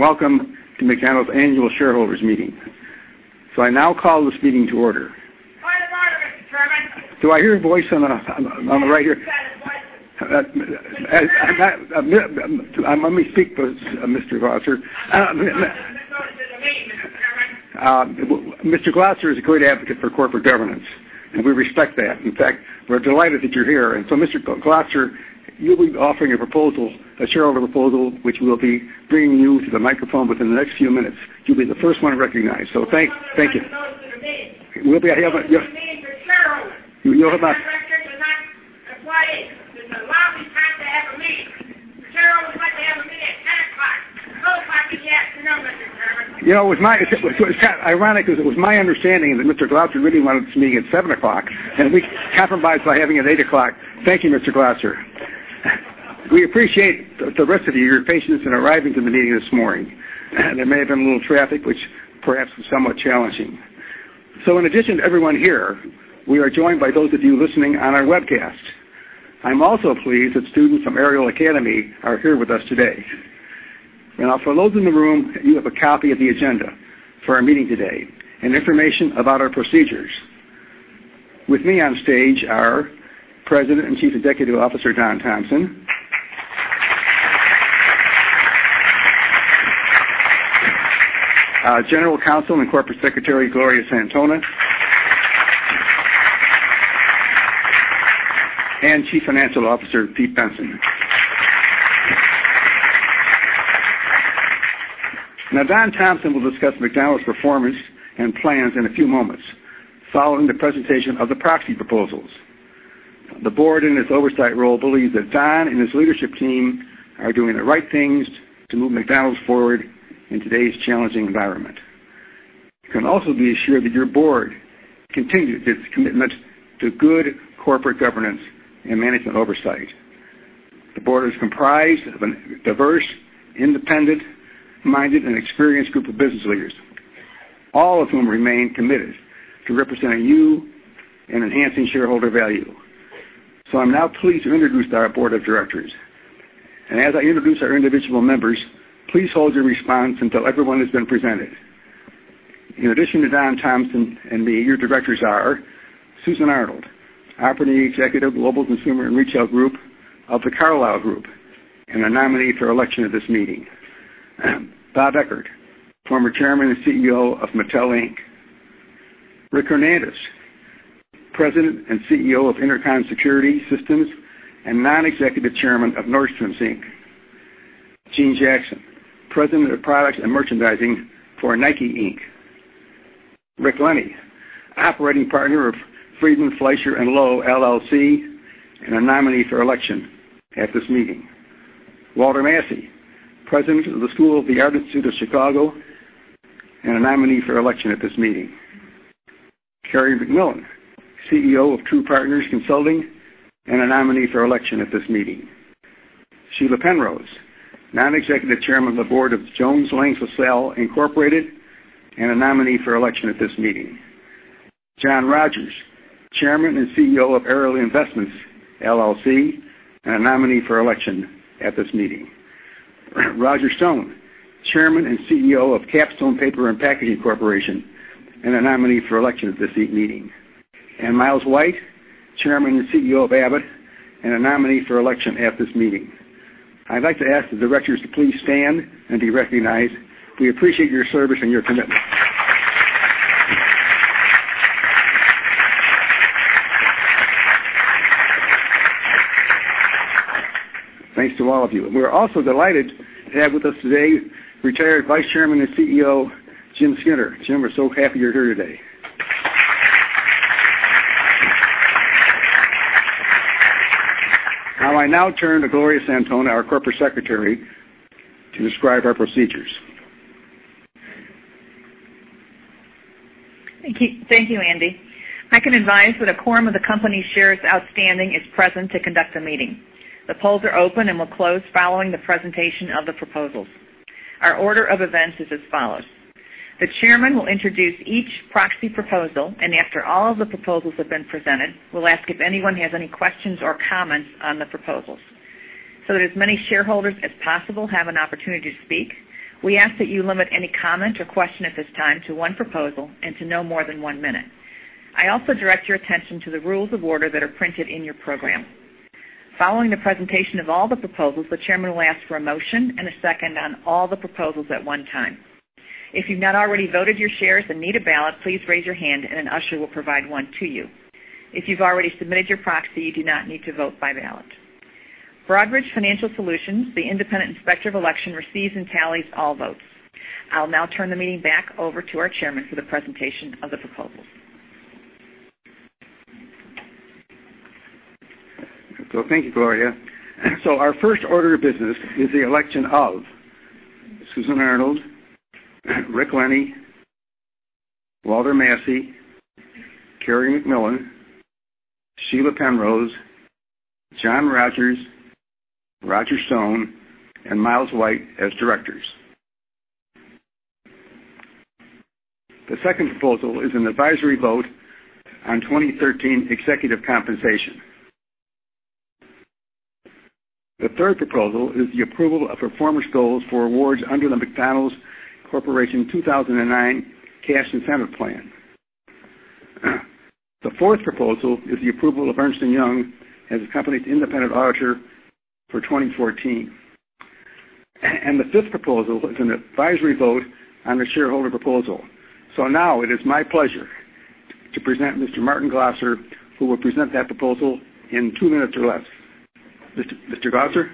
Welcome to McDonald's annual shareholders meeting. I now call this meeting to order. Point of order, Mr. Chairman. Do I hear a voice on the right here? Yes, you've got a voice. Let me speak, Mr. Glasser. This is a meeting, Mr. Chairman. Mr. Glasser is a great advocate for corporate governance, and we respect that. In fact, we're delighted that you're here. Mr. Glasser, you'll be offering a shareholder proposal, which we'll be bringing you to the microphone within the next few minutes. You'll be the first one recognized. Thank you. I want them to know it's a meeting. We'll be having. This is a meeting for shareholders. You know how. That right there does not apply. This is a lousy time to have a meeting. The shareholders like to have a meeting at 10 o'clock. No coffee yet. No, Mr. Chairman. It's kind of ironic because it was my understanding that Mr. Glasser really wanted this meeting at 7:00 A.M. and we compromised by having it at 8:00 A.M. Thank you, Mr. Glasser. We appreciate the rest of your patience in arriving to the meeting this morning. There may have been a little traffic, which perhaps was somewhat challenging. In addition to everyone here, we are joined by those of you listening on our webcast. I'm also pleased that students from Ariel Academy are here with us today. Now, for those in the room, you have a copy of the agenda for our meeting today and information about our procedures. With me on stage are President and Chief Executive Officer, Don Thompson. General Counsel and Corporate Secretary, Gloria Santona. Chief Financial Officer, Pete Bensen. Don Thompson will discuss McDonald's performance and plans in a few moments following the presentation of the proxy proposals. The board, in its oversight role, believes that Don and his leadership team are doing the right things to move McDonald's forward in today's challenging environment. You can also be assured that your board continues its commitment to good corporate governance and management oversight. The board is comprised of a diverse, independent-minded, and experienced group of business leaders, all of whom remain committed to representing you and enhancing shareholder value. I'm now pleased to introduce our board of directors. As I introduce our individual members, please hold your response until everyone has been presented. In addition to Don Thompson and me, your directors are Susan Arnold, Operating Executive, Global Consumer and Retail Group of The Carlyle Group, and a nominee for election at this meeting. Bob Eckert, former Chairman and CEO of Mattel, Inc. Rick Hernandez, President and CEO of Inter-Con Security Systems and Non-Executive Chairman of Nordstrom, Inc. Jeanne Jackson, President of Products and Merchandising for NIKE, Inc. Richard Lenny, Operating Partner of Friedman Fleischer & Lowe LLC, and a nominee for election at this meeting. Walter Massey, President of the School of the Art Institute of Chicago, and a nominee for election at this meeting. Cary McMillan, CEO of True Partners Consulting and a nominee for election at this meeting. Sheila Penrose, Non-Executive Chairman of the Board of Jones Lang LaSalle Incorporated, and a nominee for election at this meeting. John Rogers, Chairman and CEO of Ariel Investments, LLC, and a nominee for election at this meeting. Roger Stone, Chairman and CEO of KapStone Paper and Packaging Corporation, and a nominee for election at this meeting. Miles White, Chairman and CEO of Abbott, and a nominee for election at this meeting. I'd like to ask the directors to please stand and be recognized. We appreciate your service and your commitment. Thanks to all of you. We're also delighted to have with us today Retired Vice Chairman and CEO, Jim Skinner. Jim, we're so happy you're here today. I now turn to Gloria Santona, our Corporate Secretary, to describe our procedures. Thank you, Andy. I can advise that a quorum of the company's shares outstanding is present to conduct a meeting. The polls are open and will close following the presentation of the proposals. Our order of events is as follows: The chairman will introduce each proxy proposal. After all of the proposals have been presented, we'll ask if anyone has any questions or comments on the proposals. That as many shareholders as possible have an opportunity to speak, we ask that you limit any comment or question at this time to one proposal and to no more than one minute. I also direct your attention to the rules of order that are printed in your program. Following the presentation of all the proposals, the chairman will ask for a motion and a second on all the proposals at one time. If you've not already voted your shares and need a ballot, please raise your hand and an usher will provide one to you. If you've already submitted your proxy, you do not need to vote by ballot. Broadridge Financial Solutions, the independent inspector of election, receives and tallies all votes. I'll now turn the meeting back over to our chairman for the presentation of the proposals. Thank you, Gloria. Our first order of business is the election of Susan Arnold, Rick Lenny, Walter Massey, Cary McMillan, Sheila Penrose, John Rogers, Roger Stone, and Miles White as directors. The second proposal is an advisory vote on 2013 executive compensation. The third proposal is the approval of performance goals for awards under the McDonald's Corporation 2009 Cash Incentive Plan. The fourth proposal is the approval of Ernst & Young as the company's independent auditor for 2014. The fifth proposal is an advisory vote on the shareholder proposal. Now it is my pleasure to present Mr. Martin Glasser, who will present that proposal in two minutes or less. Mr. Glasser.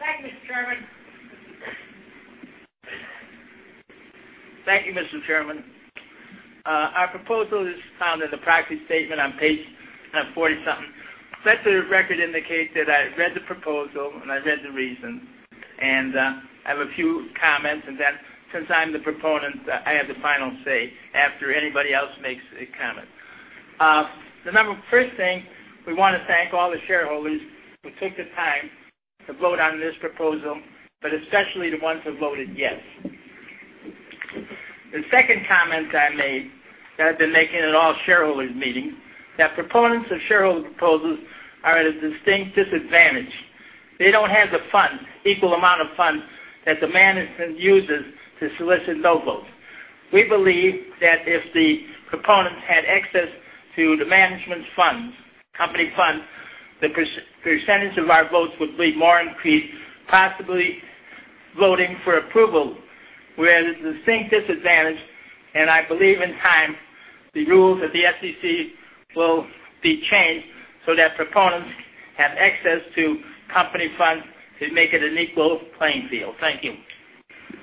Thank you, Mr. Chairman. Thank you, Mr. Chairman. Our proposal is found in the proxy statement on page 40-something. Let the record indicate that I read the proposal, and I read the reason, and I have a few comments. And then since I'm the proponent, I have the final say after anybody else makes a comment. The first thing, we want to thank all the shareholders who took the time to vote on this proposal, but especially the ones who voted yes. The second comment I made, that I've been making at all shareholders meetings, that proponents of shareholder proposals are at a distinct disadvantage. They don't have the equal amount of funds that the management uses to solicit no votes. We believe that if the proponents had access to the management's funds, company funds, the percentage of our votes would be more increased, possibly voting for approval, where there's a distinct disadvantage. I believe, in time, the rules of the SEC will be changed so that proponents have access to company funds to make it an equal playing field. Thank you.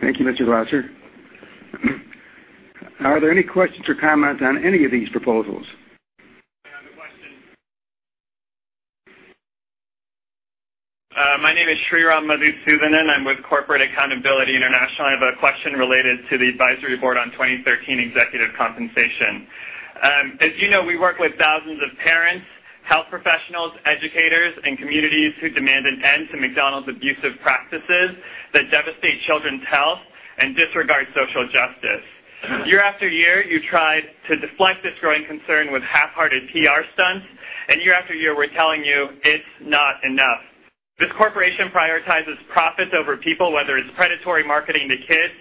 Thank you, Mr. Glasser. Are there any questions or comments on any of these proposals? I have a question. My name is Sriram Madhusoodanan. I'm with Corporate Accountability International. I have a question related to the advisory board on 2013 executive compensation. As you know, we work with thousands of parents, health professionals, educators, and communities who demand an end to McDonald's abusive practices that devastate children's health and disregard social justice. Year after year, you tried to deflect this growing concern with half-hearted PR stunts. Year after year, we're telling you it's not enough. This corporation prioritizes profits over people, whether it's predatory marketing to kids,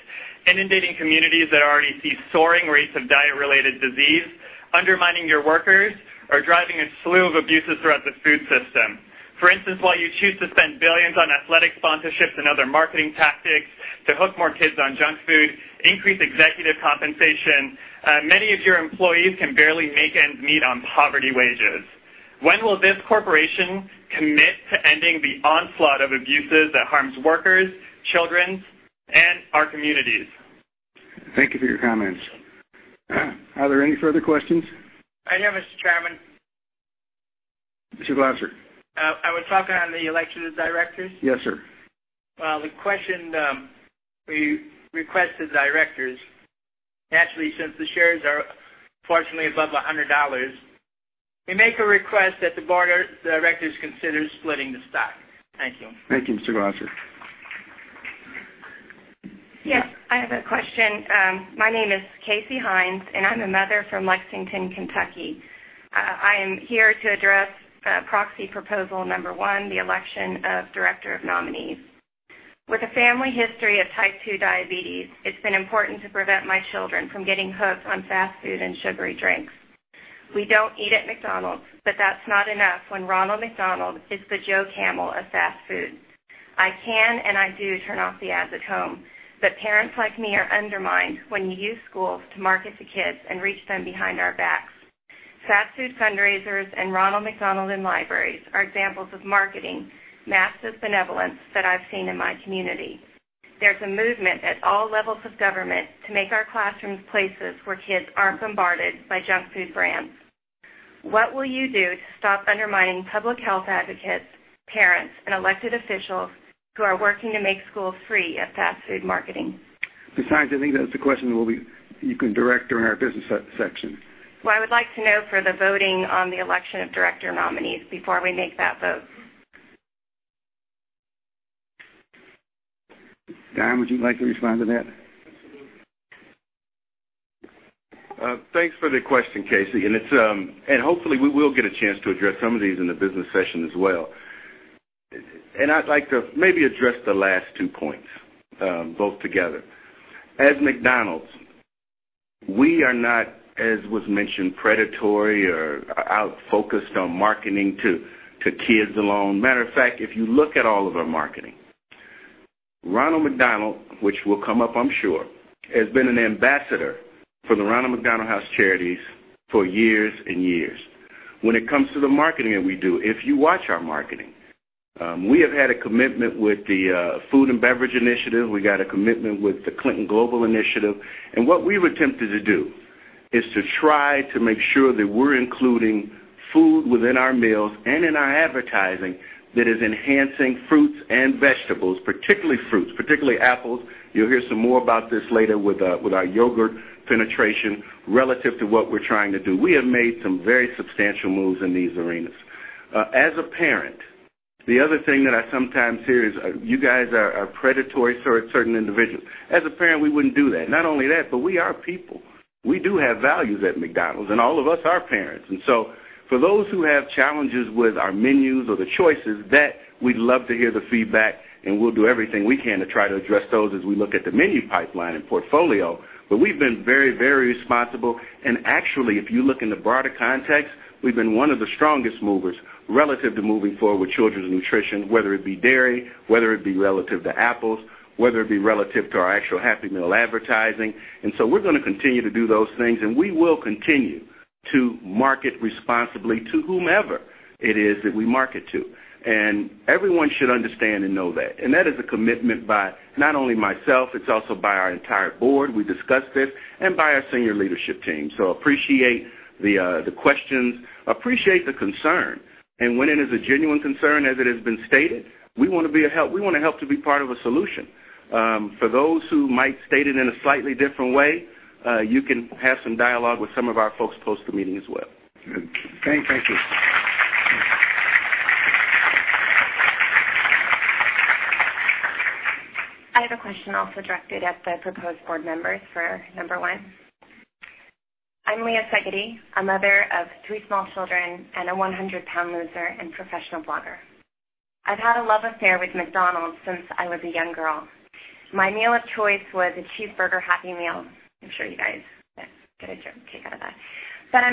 inundating communities that already see soaring rates of diet-related disease, undermining your workers, or driving a slew of abuses throughout the food system. For instance, while you choose to spend billions on athletic sponsorships and other marketing tactics to hook more kids on junk food, increase executive compensation, many of your employees can barely make ends meet on poverty wages. When will this corporation commit to ending the onslaught of abuses that harms workers, children, and our communities? Thank you for your comments. Are there any further questions? I have, Mr. Chairman. Mr. Glasser. I was talking on the election of directors. Yes, sir. The question we request to the directors, naturally, since the shares are fortunately above $100, we make a request that the board of directors consider splitting the stock. Thank you. Thank you, Mr. Glasser. Yes, I have a question. My name is Casey Hinds, and I'm a mother from Lexington, Kentucky. I am here to address proxy proposal number 1, the election of director of nominees. With a family history of type 2 diabetes, it's been important to prevent my children from getting hooked on fast food and sugary drinks. We don't eat at McDonald's, but that's not enough when Ronald McDonald is the Joe Camel of fast food. I can, and I do turn off the ads at home, but parents like me are undermined when you use schools to market to kids and reach them behind our backs. Fast food fundraisers and Ronald McDonald in libraries are examples of marketing, massive benevolence that I've seen in my community. There's a movement at all levels of government to make our classrooms places where kids aren't bombarded by junk food brands. What will you do to stop undermining public health advocates, parents, and elected officials who are working to make schools free of fast food marketing? Ms. Hinds, I think that's a question you can direct during our business section. Well, I would like to know for the voting on the election of director nominees before we make that vote. Don, would you like to respond to that? Absolutely. Thanks for the question, Casey. Hopefully, we will get a chance to address some of these in the business session as well. I'd like to maybe address the last two points, both together. As McDonald's, we are not, as was mentioned, predatory or out focused on marketing to kids alone. Matter of fact, if you look at all of our marketing, Ronald McDonald, which will come up, I'm sure, has been an ambassador for the Ronald McDonald House Charities for years and years. When it comes to the marketing that we do, if you watch our marketing, we have had a commitment with the Food and Beverage Initiative, we got a commitment with the Clinton Global Initiative. What we've attempted to do is to try to make sure that we're including food within our meals and in our advertising that is enhancing fruits and vegetables, particularly fruits, particularly apples. You'll hear some more about this later with our yogurt penetration relative to what we're trying to do. We have made some very substantial moves in these arenas. As a parent. The other thing that I sometimes hear is you guys are predatory towards certain individuals. As a parent, we wouldn't do that. Not only that, we are people. We do have values at McDonald's, and all of us are parents. For those who have challenges with our menus or the choices, that we'd love to hear the feedback, and we'll do everything we can to try to address those as we look at the menu pipeline and portfolio. We've been very responsible. Actually, if you look in the broader context, we've been one of the strongest movers relative to moving forward with children's nutrition, whether it be dairy, whether it be relative to apples, whether it be relative to our actual Happy Meal advertising. We're going to continue to do those things, and we will continue to market responsibly to whomever it is that we market to. Everyone should understand and know that. That is a commitment by not only myself, it's also by our entire board, we discussed this, and by our senior leadership team. Appreciate the questions, appreciate the concern. When it is a genuine concern as it has been stated, we want to help to be part of a solution. For those who might state it in a slightly different way, you can have some dialogue with some of our folks post the meeting as well. Good. Thank you. I have a question also directed at the proposed board members for number one. I'm Leah Segedie, a mother of three small children and a 100-pound loser and professional blogger. I've had a love affair with McDonald's since I was a young girl. My meal of choice was a cheeseburger Happy Meal. I'm sure you guys get a joke, kick out of that. When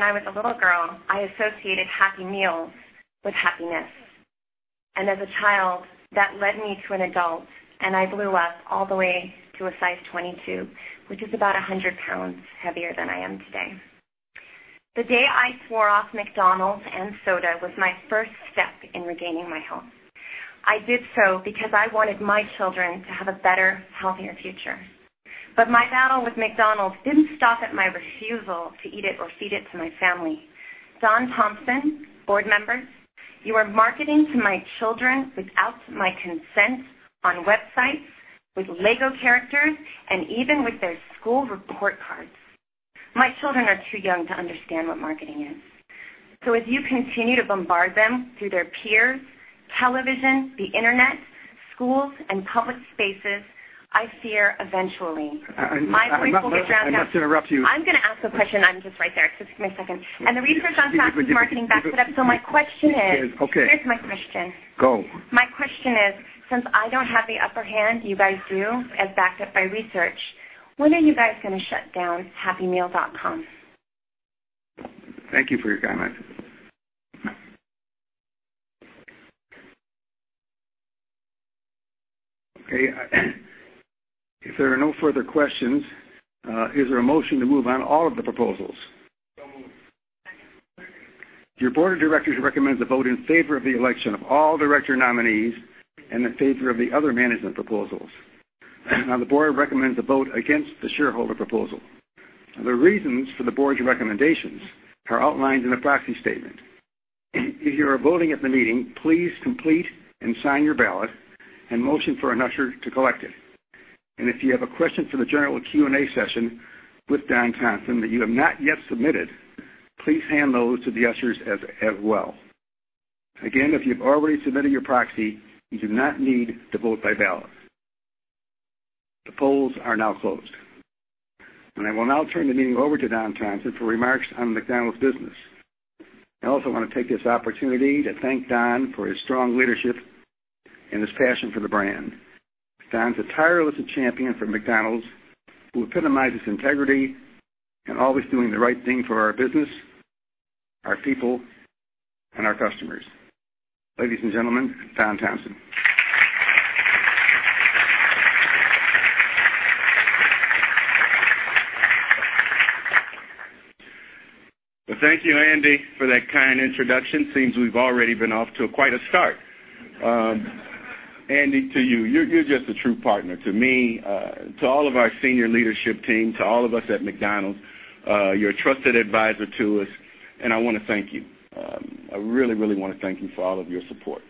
I was a little girl, I associated Happy Meals with happiness. As a child, that led me to an adult, and I blew up all the way to a size 22, which is about 100 pounds heavier than I am today. The day I swore off McDonald's and soda was my first step in regaining my health. I did so because I wanted my children to have a better, healthier future. My battle with McDonald's didn't stop at my refusal to eat it or feed it to my family. Don Thompson, board members, you are marketing to my children without my consent on websites, with LEGO characters, and even with their school report cards. My children are too young to understand what marketing is. As you continue to bombard them through their peers, television, the internet, schools, and public spaces, I fear eventually my three children- I must interrupt you. I'm going to ask a question. I'm just right there. Just give me a second. The research on fast food marketing backs it up. My question is. Okay. Here's my question. Go. My question is, since I don't have the upper hand, you guys do, as backed up by research, when are you guys going to shut down happymeal.com? Thank you for your comments. Okay. If there are no further questions, is there a motion to move on all of the proposals? Moved. Your board of directors recommends a vote in favor of the election of all director nominees and in favor of the other management proposals. Now, the board recommends a vote against the shareholder proposal. The reasons for the board's recommendations are outlined in the proxy statement. If you are voting at the meeting, please complete and sign your ballot and motion for an usher to collect it. If you have a question for the general Q&A session with Don Thompson that you have not yet submitted, please hand those to the ushers as well. Again, if you've already submitted your proxy, you do not need to vote by ballot. The polls are now closed. I will now turn the meeting over to Don Thompson for remarks on McDonald's business. I also want to take this opportunity to thank Don for his strong leadership and his passion for the brand. Don's a tireless champion for McDonald's who epitomizes integrity and always doing the right thing for our business, our people, and our customers. Ladies and gentlemen, Don Thompson. Well, thank you, Andy, for that kind introduction. Seems we've already been off to quite a start. Andy, to you're just a true partner to me, to all of our senior leadership team, to all of us at McDonald's. You're a trusted advisor to us, and I want to thank you. I really want to thank you for all of your support.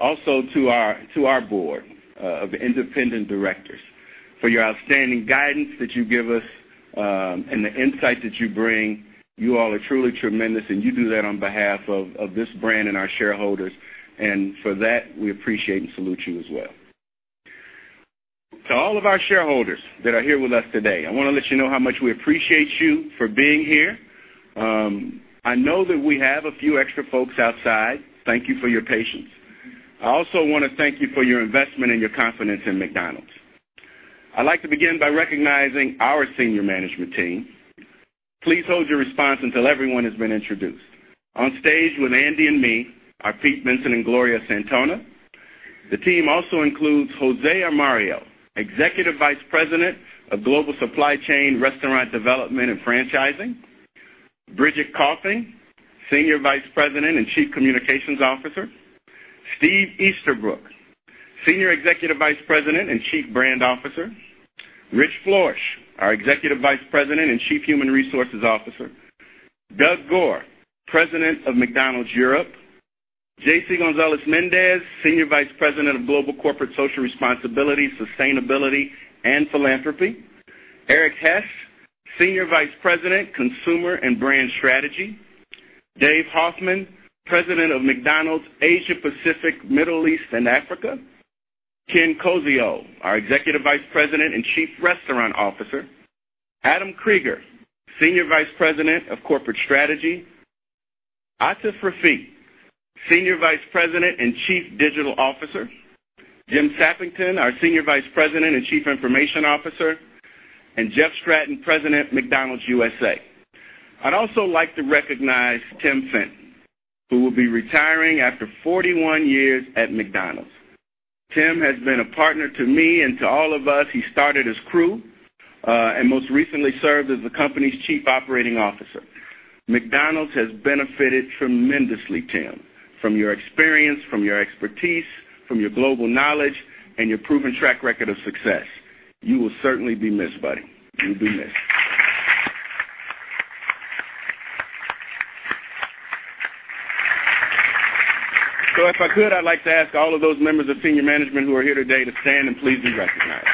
Also to our board of independent directors for your outstanding guidance that you give us, and the insight that you bring. You all are truly tremendous, and you do that on behalf of this brand and our shareholders. For that, we appreciate and salute you as well. To all of our shareholders that are here with us today, I want to let you know how much we appreciate you for being here. I know that we have a few extra folks outside. Thank you for your patience. I also want to thank you for your investment and your confidence in McDonald's. I’d like to begin by recognizing our senior management team. Please hold your response until everyone has been introduced. On stage with Andy and me are Pete Bensen and Gloria Santona. The team also includes Jose Armario, Executive Vice President of Global Supply Chain, Restaurant Development, and Franchising. Bridget Coffing, Senior Vice President and Chief Communications Officer. Steve Easterbrook, Senior Executive Vice President and Chief Brand Officer. Rich Floersch, our Executive Vice President and Chief Human Resources Officer. Doug Goare, President of McDonald's Europe. J.C. Gonzalez-Mendez, Senior Vice President of Global Corporate Social Responsibility, Sustainability, and Philanthropy. Erik Hess, Senior Vice President, Consumer and Brand Strategy. Dave Hoffmann, President of McDonald’s Asia Pacific, Middle East and Africa. Ken Koziol, our Executive Vice President and Chief Restaurant Officer. Adam Kriger, Senior Vice President of Corporate Strategy. Atif Rafiq, Senior Vice President and Chief Digital Officer. Jim Sappington, our Senior Vice President and Chief Information Officer, and Jeff Stratton, President, McDonald’s USA. I’d also like to recognize Tim Fenton, who will be retiring after 41 years at McDonald’s. Tim has been a partner to me and to all of us. He started as crew, and most recently served as the company’s Chief Operating Officer. McDonald’s has benefited tremendously, Tim, from your experience, from your expertise, from your global knowledge, and your proven track record of success. You will certainly be missed, buddy. You will be missed. If I could, I’d like to ask all of those members of senior management who are here today to stand and please be recognized.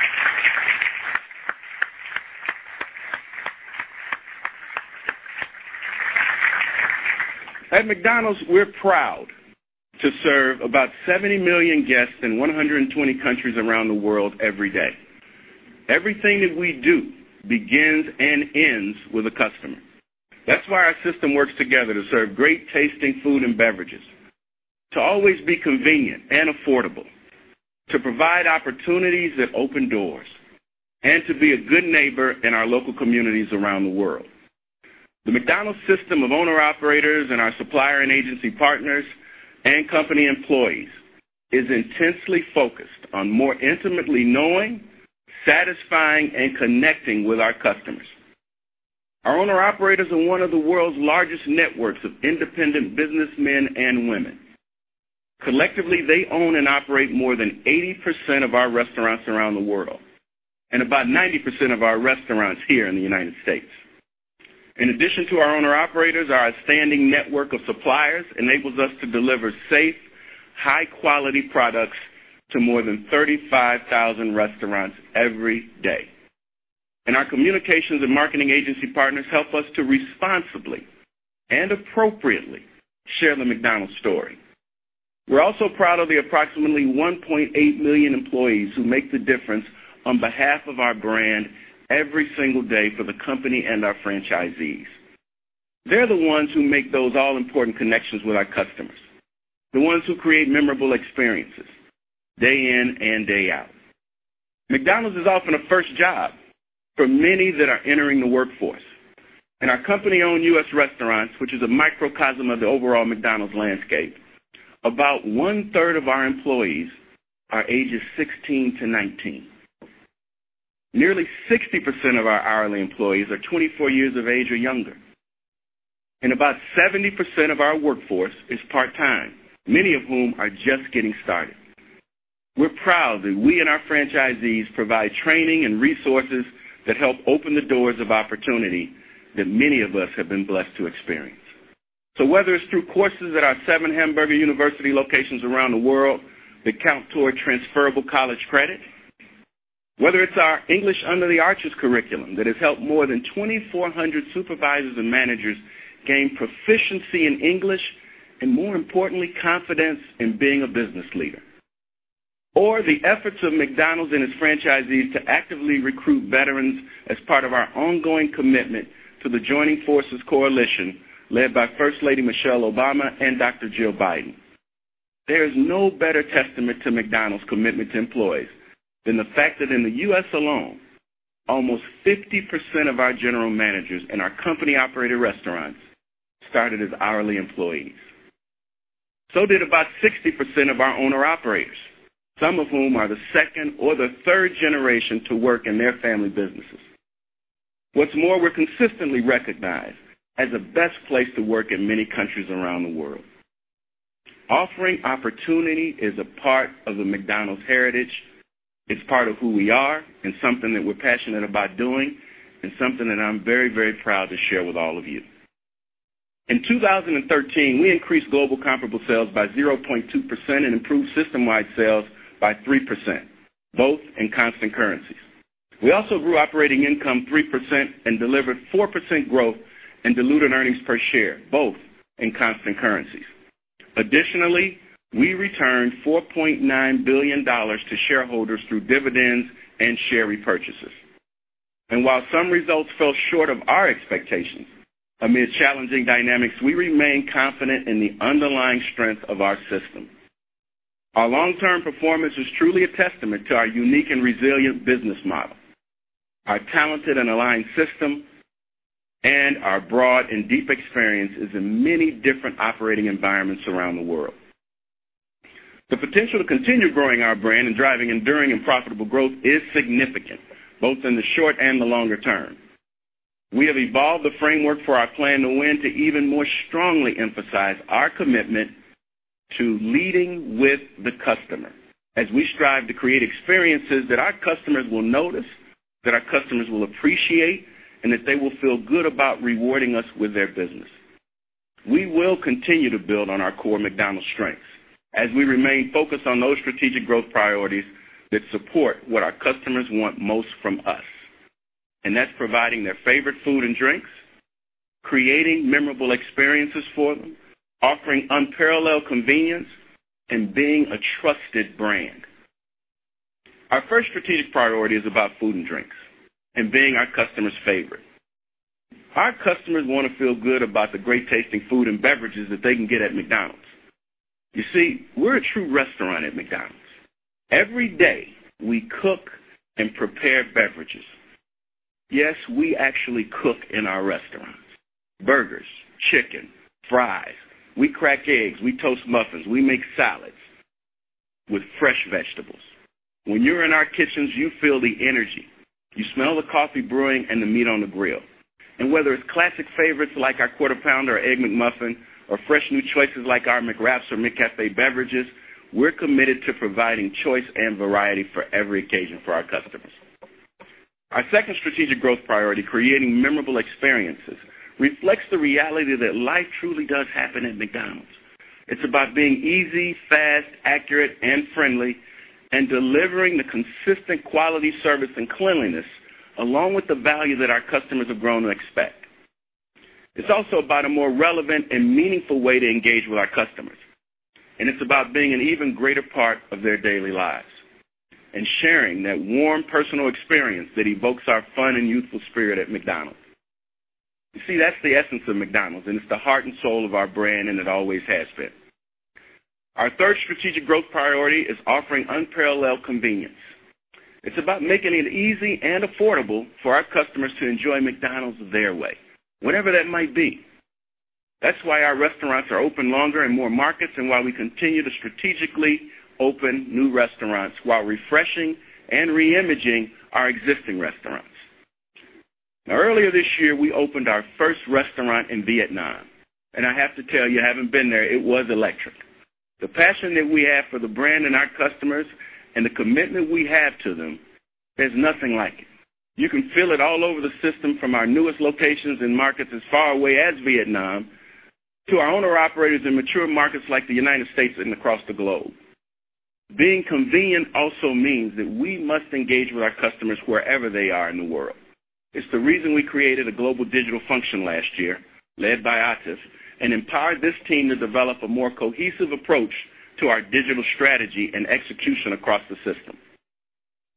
At McDonald’s, we’re proud to serve about 70 million guests in 120 countries around the world every day. Everything that we do begins and ends with the customer. That’s why our system works together to serve great-tasting food and beverages, to always be convenient and affordable, to provide opportunities that open doors, and to be a good neighbor in our local communities around the world. The McDonald’s system of owner-operators and our supplier and agency partners and company employees is intensely focused on more intimately knowing, satisfying, and connecting with our customers. Our owner-operators are one of the world’s largest networks of independent businessmen and women. Collectively, they own and operate more than 80% of our restaurants around the world, and about 90% of our restaurants here in the U.S. In addition to our owner-operators, our outstanding network of suppliers enables us to deliver safe, high-quality products to more than 35,000 restaurants every day. Our communications and marketing agency partners help us to responsibly and appropriately share the McDonald’s story. We’re also proud of the approximately 1.8 million employees who make the difference on behalf of our brand every single day for the company and our franchisees. They’re the ones who make those all-important connections with our customers, the ones who create memorable experiences day in and day out. McDonald’s is often a first job for many that are entering the workforce. In our company-owned U.S. restaurants, which is a microcosm of the overall McDonald’s landscape, about one-third of our employees are ages 16 to 19. Nearly 60% of our hourly employees are 24 years of age or younger, and about 70% of our workforce is part-time, many of whom are just getting started. We’re proud that we and our franchisees provide training and resources that help open the doors of opportunity that many of us have been blessed to experience. So whether it’s through courses at our seven Hamburger University locations around the world that count toward transferable college credit, whether it’s our English Under the Arches curriculum that has helped more than 2,400 supervisors and managers gain proficiency in English, and more importantly, confidence in being a business leader, or the efforts of McDonald's and its franchisees to actively recruit veterans as part of our ongoing commitment to the Joining Forces coalition led by First Lady Michelle Obama and Dr. Jill Biden. There is no better testament to McDonald's commitment to employees than the fact that in the U.S. alone, almost 50% of our general managers in our company-operated restaurants started as hourly employees. So did about 60% of our owner-operators, some of whom are the second or the third generation to work in their family businesses. What’s more, we’re consistently recognized as the best place to work in many countries around the world. Offering opportunity is a part of the McDonald's heritage. It’s part of who we are and something that we’re passionate about doing and something that I’m very proud to share with all of you. In 2013, we increased global comparable sales by 0.2% and improved system-wide sales by 3%, both in constant currencies. We also grew operating income 3% and delivered 4% growth in diluted earnings per share, both in constant currencies. Additionally, we returned $4.9 billion to shareholders through dividends and share repurchases. And while some results fell short of our expectations amid challenging dynamics, we remain confident in the underlying strength of our system. Our long-term performance is truly a testament to our unique and resilient business model, our talented and aligned system, and our broad and deep experiences in many different operating environments around the world. The potential to continue growing our brand and driving enduring and profitable growth is significant, both in the short and the longer term. We have evolved the framework for our Plan to Win to even more strongly emphasize our commitment to leading with the customer as we strive to create experiences that our customers will notice, that our customers will appreciate, and that they will feel good about rewarding us with their business. We will continue to build on our core McDonald's strengths as we remain focused on those strategic growth priorities that support what our customers want most from us. That’s providing their favorite food and drinks, creating memorable experiences for them, offering unparalleled convenience, and being a trusted brand. Our first strategic priority is about food and drinks and being our customers' favorite. Our customers want to feel good about the great-tasting food and beverages that they can get at McDonald's. You see, we’re a true restaurant at McDonald's. Every day, we cook and prepare beverages. Yes, we actually cook in our restaurants. Burgers, chicken, fries. We crack eggs, we toast muffins, we make salads with fresh vegetables. When you’re in our kitchens, you feel the energy. You smell the coffee brewing and the meat on the grill. Whether it’s classic favorites like our Quarter Pounder or Egg McMuffin, or fresh new choices like our McWraps or McCafe beverages, we’re committed to providing choice and variety for every occasion for our customers. Our second strategic growth priority, creating memorable experiences, reflects the reality that life truly does happen at McDonald’s. It’s about being easy, fast, accurate, and friendly, and delivering the consistent quality, service, and cleanliness along with the value that our customers have grown to expect. It’s also about a more relevant and meaningful way to engage with our customers. It’s about being an even greater part of their daily lives and sharing that warm personal experience that evokes our fun and youthful spirit at McDonald’s. You see, that’s the essence of McDonald’s, it’s the heart and soul of our brand, and it always has been. Our third strategic growth priority is offering unparalleled convenience. It’s about making it easy and affordable for our customers to enjoy McDonald’s their way, whatever that might be. That’s why our restaurants are open longer in more markets and why we continue to strategically open new restaurants while refreshing and re-imaging our existing restaurants. Earlier this year, we opened our first restaurant in Vietnam. I have to tell you, having been there, it was electric. The passion that we have for the brand and our customers and the commitment we have to them, there’s nothing like it. You can feel it all over the system from our newest locations in markets as far away as Vietnam to our owner/operators in mature markets like the U.S. and across the globe. Being convenient also means that we must engage with our customers wherever they are in the world. It’s the reason we created a global digital function last year, led by Atif, and empowered this team to develop a more cohesive approach to our digital strategy and execution across the system.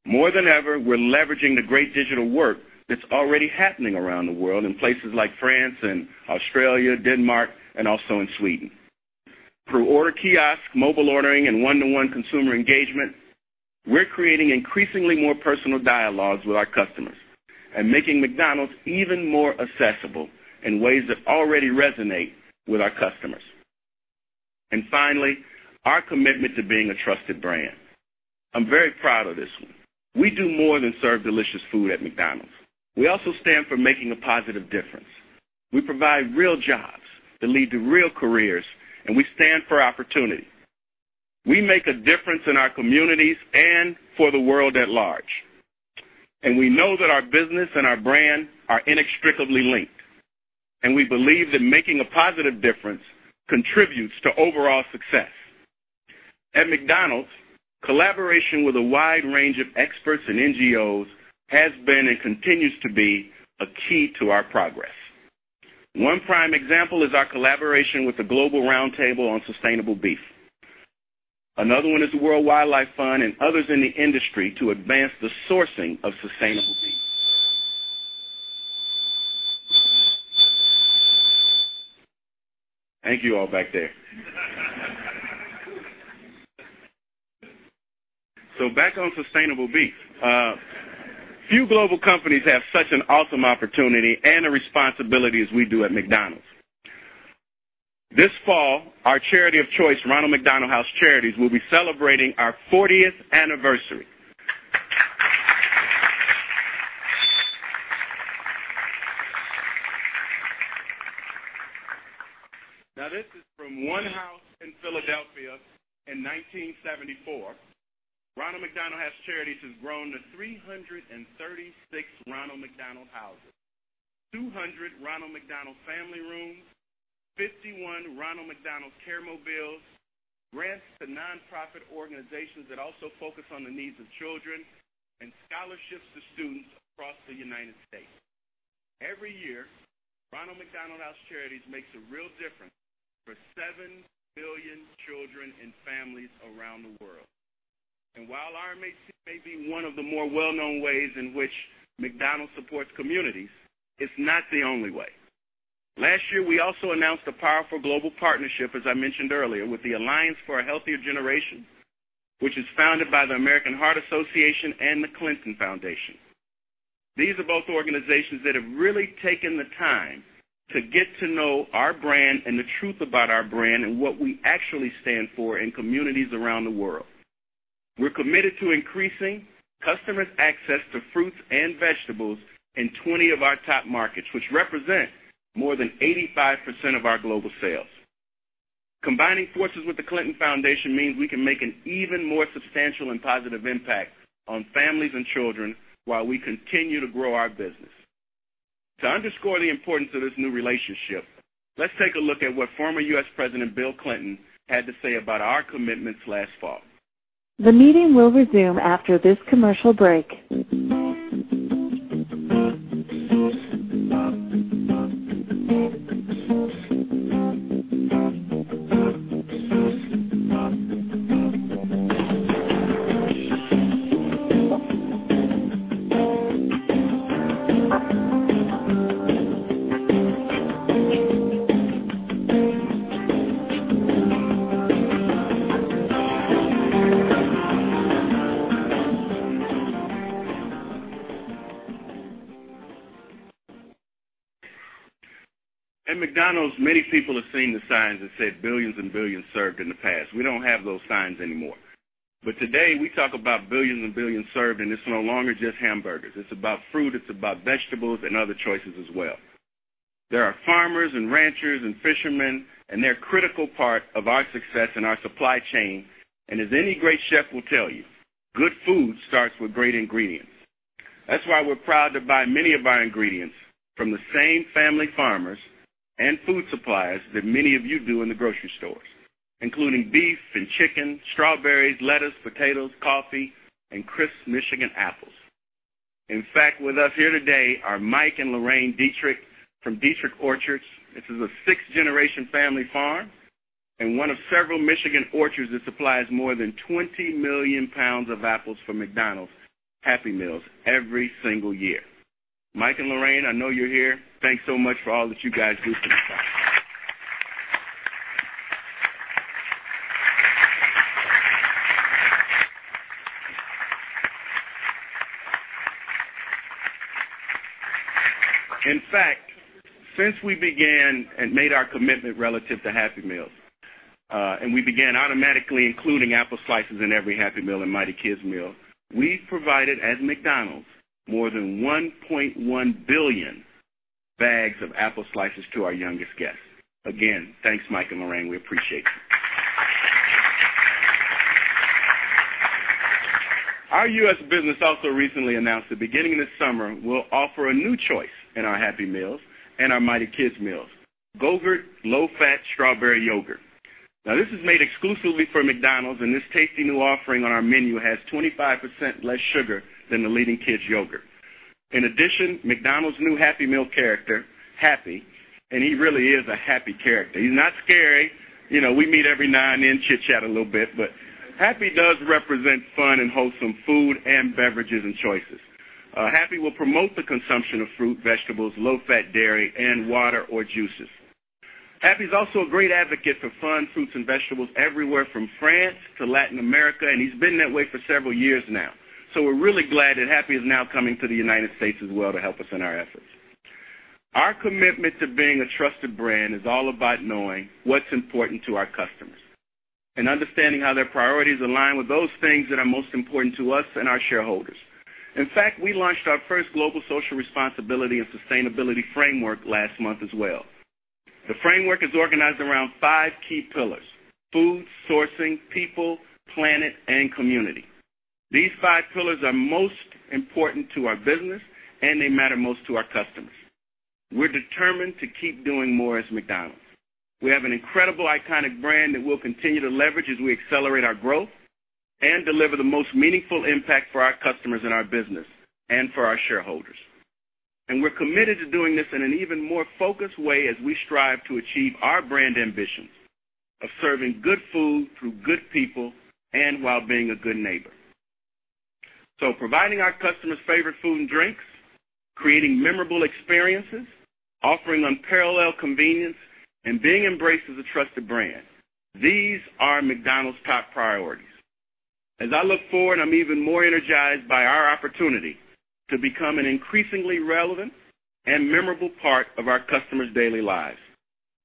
More than ever, we’re leveraging the great digital work that’s already happening around the world in places like France and Australia, Denmark, and also in Sweden. Through order kiosk, mobile ordering, and one-to-one consumer engagement, we’re creating increasingly more personal dialogues with our customers and making McDonald’s even more accessible in ways that already resonate with our customers. Finally, our commitment to being a trusted brand. I’m very proud of this one. We do more than serve delicious food at McDonald’s. We also stand for making a positive difference. We provide real jobs that lead to real careers, and we stand for opportunity. We make a difference in our communities and for the world at large. We know that our business and our brand are inextricably linked, and we believe that making a positive difference contributes to overall success. At McDonald’s, collaboration with a wide range of experts and NGOs has been, and continues to be, a key to our progress. One prime example is our collaboration with the Global Roundtable for Sustainable Beef. Another one is the World Wildlife Fund and others in the industry to advance the sourcing of sustainable beef. Thank you all back there. Back on sustainable beef. Few global companies have such an awesome opportunity and a responsibility as we do at McDonald's. This fall, our charity of choice, Ronald McDonald House Charities, will be celebrating our 40th anniversary. Now, this is from one house in Philadelphia in 1974. Ronald McDonald House Charities has grown to 336 Ronald McDonald Houses, 200 Ronald McDonald family rooms, 51 Ronald McDonald Care Mobiles, grants to nonprofit organizations that also focus on the needs of children, and scholarships to students across the United States. Every year, Ronald McDonald House Charities makes a real difference for 7 million children and families around the world. While RMHC may be one of the more well-known ways in which McDonald's supports communities, it’s not the only way. Last year, we also announced a powerful global partnership, as I mentioned earlier, with the Alliance for a Healthier Generation, which is founded by the American Heart Association and the Clinton Foundation. These are both organizations that have really taken the time to get to know our brand and the truth about our brand and what we actually stand for in communities around the world. We’re committed to increasing customers’ access to fruits and vegetables in 20 of our top markets, which represent more than 85% of our global sales. Combining forces with the Clinton Foundation means we can make an even more substantial and positive impact on families and children while we continue to grow our business. To underscore the importance of this new relationship, let's take a look at what former U.S. President Bill Clinton had to say about our commitments last fall. The meeting will resume after this commercial break. At McDonald's, many people have seen the signs that said, "Billions and billions served," in the past. We don't have those signs anymore. Today, we talk about billions and billions served, and it's no longer just hamburgers. It's about fruit, it's about vegetables, and other choices as well. There are farmers and ranchers and fishermen, and they're a critical part of our success and our supply chain. As any great chef will tell you, good food starts with great ingredients. That's why we're proud to buy many of our ingredients from the same family farmers and food suppliers that many of you do in the grocery stores, including beef and chicken, strawberries, lettuce, potatoes, coffee, and crisp Michigan apples. In fact, with us here today are Mike and Lorraine Dietrich from Dietrich Orchards. This is a six-generation family farm and one of several Michigan orchards that supplies more than 20 million pounds of apples for McDonald's Happy Meals every single year. Mike and Lorraine, I know you're here. Thanks so much for all that you guys do for McDonald's. In fact, since we began and made our commitment relative to Happy Meals, we began automatically including apple slices in every Happy Meal and Mighty Kids Meal, we've provided, as McDonald's, more than 1.1 billion bags of apple slices to our youngest guests. Again, thanks, Mike and Lorraine. We appreciate you. Our U.S. business also recently announced that beginning this summer, we'll offer a new choice in our Happy Meals and our Mighty Kids Meals, Go-GURT low-fat strawberry yogurt. This is made exclusively for McDonald's, and this tasty new offering on our menu has 25% less sugar than the leading kids' yogurt. McDonald's new Happy Meal character, Happy, He really is a happy character. He's not scary. We meet every now and then, chitchat a little bit, Happy does represent fun and wholesome food and beverages and choices. Happy will promote the consumption of fruit, vegetables, low-fat dairy, and water or juices. Happy is also a great advocate for fun fruits and vegetables everywhere from France to Latin America, He's been that way for several years now. We're really glad that Happy is now coming to the United States as well to help us in our efforts. Our commitment to being a trusted brand is all about knowing what's important to our customers and understanding how their priorities align with those things that are most important to us and our shareholders. We launched our first global social responsibility and sustainability framework last month as well. The framework is organized around five key pillars: food, sourcing, people, planet, and community. These five pillars are most important to our business, and they matter most to our customers. We're determined to keep doing more as McDonald's. We have an incredible iconic brand that we'll continue to leverage as we accelerate our growth and deliver the most meaningful impact for our customers and our business and for our shareholders. We're committed to doing this in an even more focused way as we strive to achieve our brand ambition of serving good food through good people and while being a good neighbor. Providing our customers' favorite food and drinks, creating memorable experiences, offering unparalleled convenience, and being embraced as a trusted brand. These are McDonald's top priorities. As I look forward, I'm even more energized by our opportunity to become an increasingly relevant and memorable part of our customers' daily lives.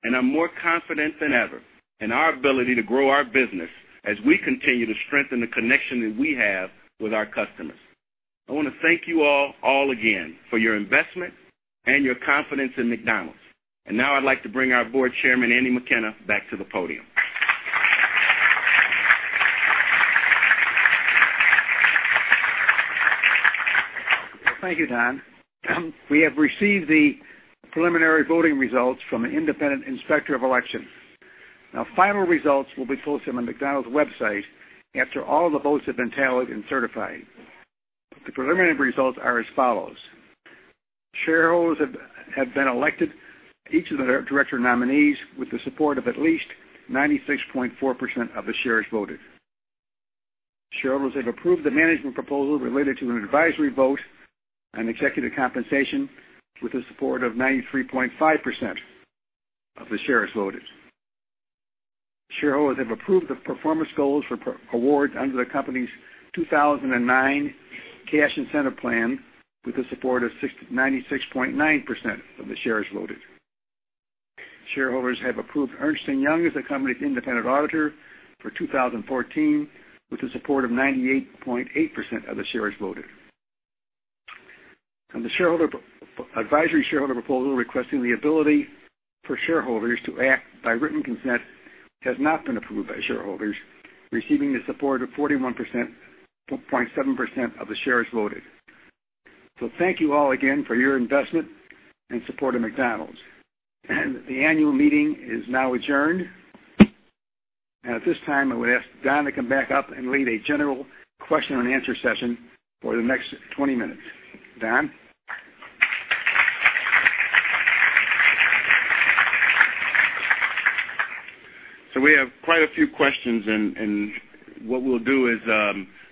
I'm more confident than ever in our ability to grow our business as we continue to strengthen the connection that we have with our customers. I want to thank you all again for your investment and your confidence in McDonald's. Now I'd like to bring our board chairman, Andy McKenna, back to the podium. Thank you, Don. We have received the preliminary voting results from an independent inspector of election. Final results will be posted on McDonald's website after all the votes have been tallied and certified. The preliminary results are as follows. Shareholders have elected each of the director nominees with the support of at least 96.4% of the shares voted. Shareholders have approved the management proposal related to an advisory vote on executive compensation with the support of 93.5% of the shares voted. Shareholders have approved the performance goals for awards under the company's 2009 Cash Incentive Plan with the support of 96.9% of the shares voted. Shareholders have approved Ernst & Young as the company's independent auditor for 2014 with the support of 98.8% of the shares voted. The advisory shareholder proposal requesting the ability for shareholders to act by written consent has not been approved by shareholders, receiving the support of 41.7% of the shares voted. Thank you all again for your investment and support of McDonald's. The annual meeting is now adjourned, and at this time, I would ask Don to come back up and lead a general question and answer session for the next 20 minutes. Don? We have quite a few questions, and what we'll do is,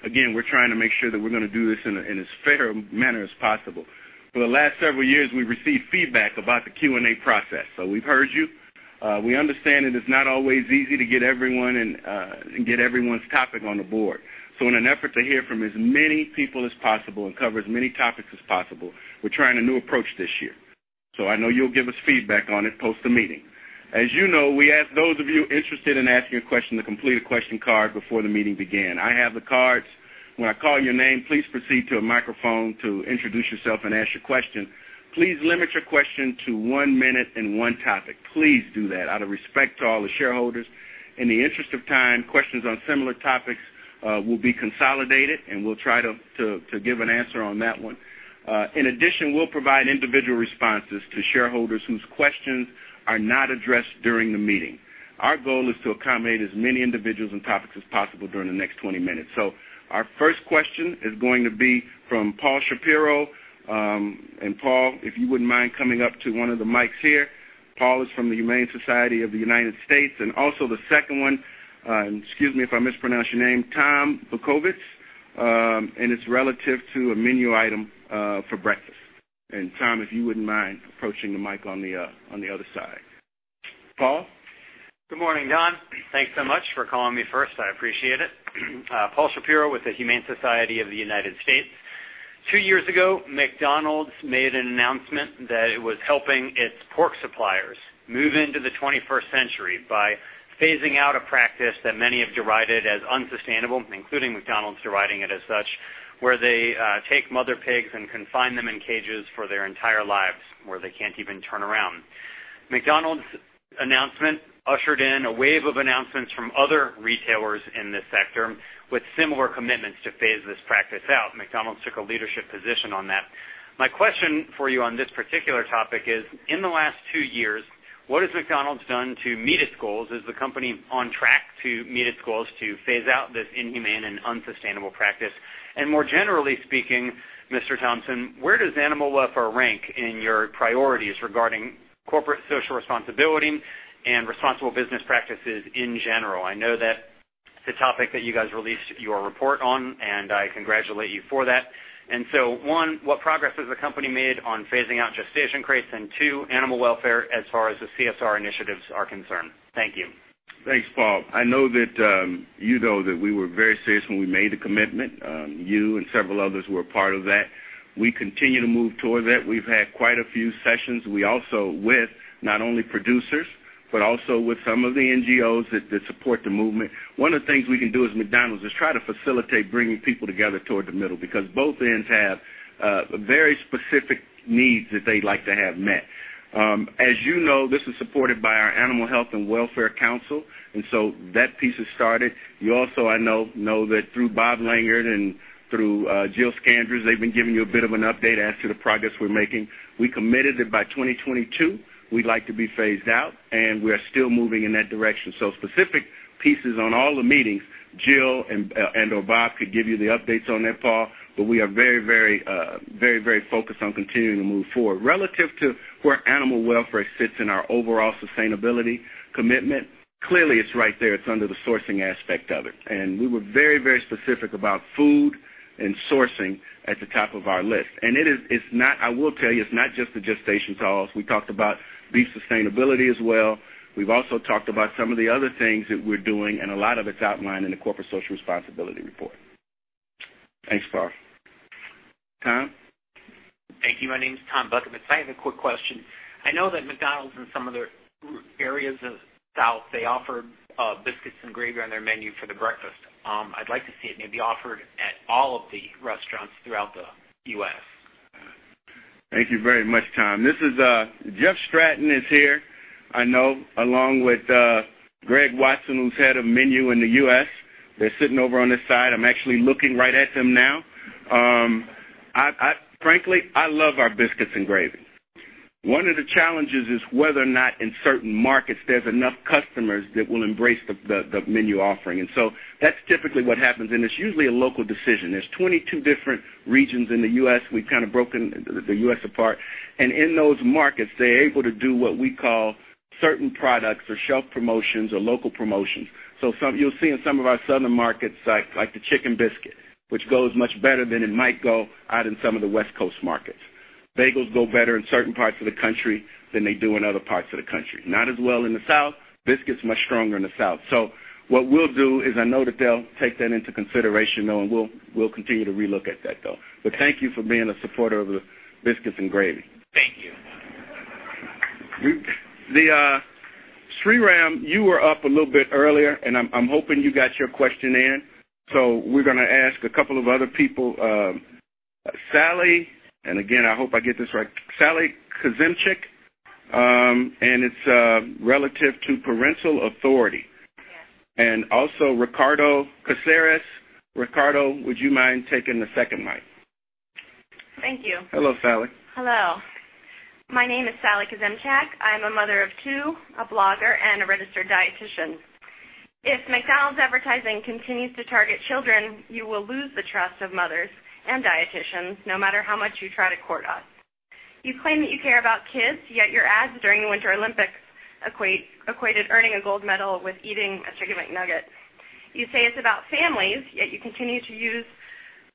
again, we're trying to make sure that we're going to do this in as fair a manner as possible. For the last several years, we've received feedback about the Q&A process. We've heard you. We understand it is not always easy to get everyone's topic on the board. In an effort to hear from as many people as possible and cover as many topics as possible, we're trying a new approach this year. I know you'll give us feedback on it post the meeting. As you know, we ask those of you interested in asking a question to complete a question card before the meeting began. I have the cards. When I call your name, please proceed to a microphone to introduce yourself and ask your question. Please limit your question to one minute and one topic. Please do that out of respect to all the shareholders. In the interest of time, questions on similar topics will be consolidated, and we'll try to give an answer on that one. In addition, we'll provide individual responses to shareholders whose questions are not addressed during the meeting. Our goal is to accommodate as many individuals and topics as possible during the next 20 minutes. Our first question is going to be from Paul Shapiro. Paul, if you wouldn't mind coming up to one of the mics here. Paul is from the Humane Society of the United States and also the second one, and excuse me if I mispronounce your name, Tom Bukovics, and it's relative to a menu item for breakfast. Tom, if you wouldn't mind approaching the mic on the other side. Paul? Good morning, Don. Thanks so much for calling me first. I appreciate it. Paul Shapiro with the Humane Society of the United States. Two years ago, McDonald's made an announcement that it was helping its pork suppliers move into the 21st century by phasing out a practice that many have derided as unsustainable, including McDonald's deriding it as such, where they take mother pigs and confine them in cages for their entire lives, where they can't even turn around. McDonald's announcement ushered in a wave of announcements from other retailers in this sector with similar commitments to phase this practice out. McDonald's took a leadership position on that. My question for you on this particular topic is, in the last two years, what has McDonald's done to meet its goals? Is the company on track to meet its goals to phase out this inhumane and unsustainable practice? More generally speaking, Mr. Thompson, where does animal welfare rank in your priorities regarding Corporate Social Responsibility and responsible business practices in general? I know that it's a topic that you guys released your report on. I congratulate you for that. One, what progress has the company made on phasing out gestation crates and two, animal welfare as far as the CSR initiatives are concerned? Thank you. Thanks, Paul. I know that you know that we were very serious when we made the commitment. You and several others were a part of that. We continue to move toward that. We've had quite a few sessions. We also with not only producers, but also with some of the NGOs that support the movement. One of the things we can do as McDonald's is try to facilitate bringing people together toward the middle because both ends have very specific needs that they'd like to have met. As you know, this is supported by our Animal Health and Welfare Council. That piece is started. You also, I know that through Bob Langert and through Jill Scandrett, they've been giving you a bit of an update as to the progress we're making. We committed that by 2022, we'd like to be phased out, and we are still moving in that direction. Specific pieces on all the meetings, Jill and/or Bob could give you the updates on that, Paul, but we are very, very focused on continuing to move forward. Relative to where animal welfare sits in our overall sustainability commitment, clearly it's right there. It's under the sourcing aspect of it. We were very, very specific about food and sourcing at the top of our list. I will tell you, it's not just the gestation calls. We talked about beef sustainability as well. We've also talked about some of the other things that we're doing, and a lot of it's outlined in the Corporate Social Responsibility report. Thanks, Paul. Tom? Thank you. My name's Tom Bukovics. I have a quick question. I know that McDonald's in some of their areas of the South, they offer biscuits and gravy on their menu for the breakfast. I'd like to see it maybe offered at all of the restaurants throughout the U.S. Thank you very much, Tom. Jeff Stratton is here, I know, along with Greg Watson, who's head of menu in the U.S. They're sitting over on this side. I'm actually looking right at them now. Frankly, I love our biscuits and gravy. One of the challenges is whether or not in certain markets there's enough customers that will embrace the menu offering. That's typically what happens, and it's usually a local decision. There's 22 different regions in the U.S. We've kind of broken the U.S. apart, and in those markets, they're able to do what we call certain products or shelf promotions or local promotions. You'll see in some of our southern markets, like the chicken biscuit, which goes much better than it might go out in some of the West Coast markets. Bagels go better in certain parts of the country than they do in other parts of the country. Not as well in the South. Biscuits much stronger in the South. What we'll do is I know that they'll take that into consideration, though, and we'll continue to relook at that, though. Thank you for being a supporter of the biscuits and gravy. Thank you. Sriram, you were up a little bit earlier. I'm hoping you got your question in. We're going to ask a couple of other people. Sally, again, I hope I get this right, Sally Kuzemchak, it's relative to parental authority. Yes. Also Ricardo Caceres. Ricardo, would you mind taking the second mic? Thank you. Hello, Sally. Hello. My name is Sally Kuzemchak. I'm a mother of two, a blogger, and a registered dietician. If McDonald's advertising continues to target children, you will lose the trust of mothers and dieticians, no matter how much you try to court us. You claim that you care about kids, yet your ads during the Winter Olympics equated earning a gold medal with eating a Chicken McNugget. You say it's about families, yet you continue to use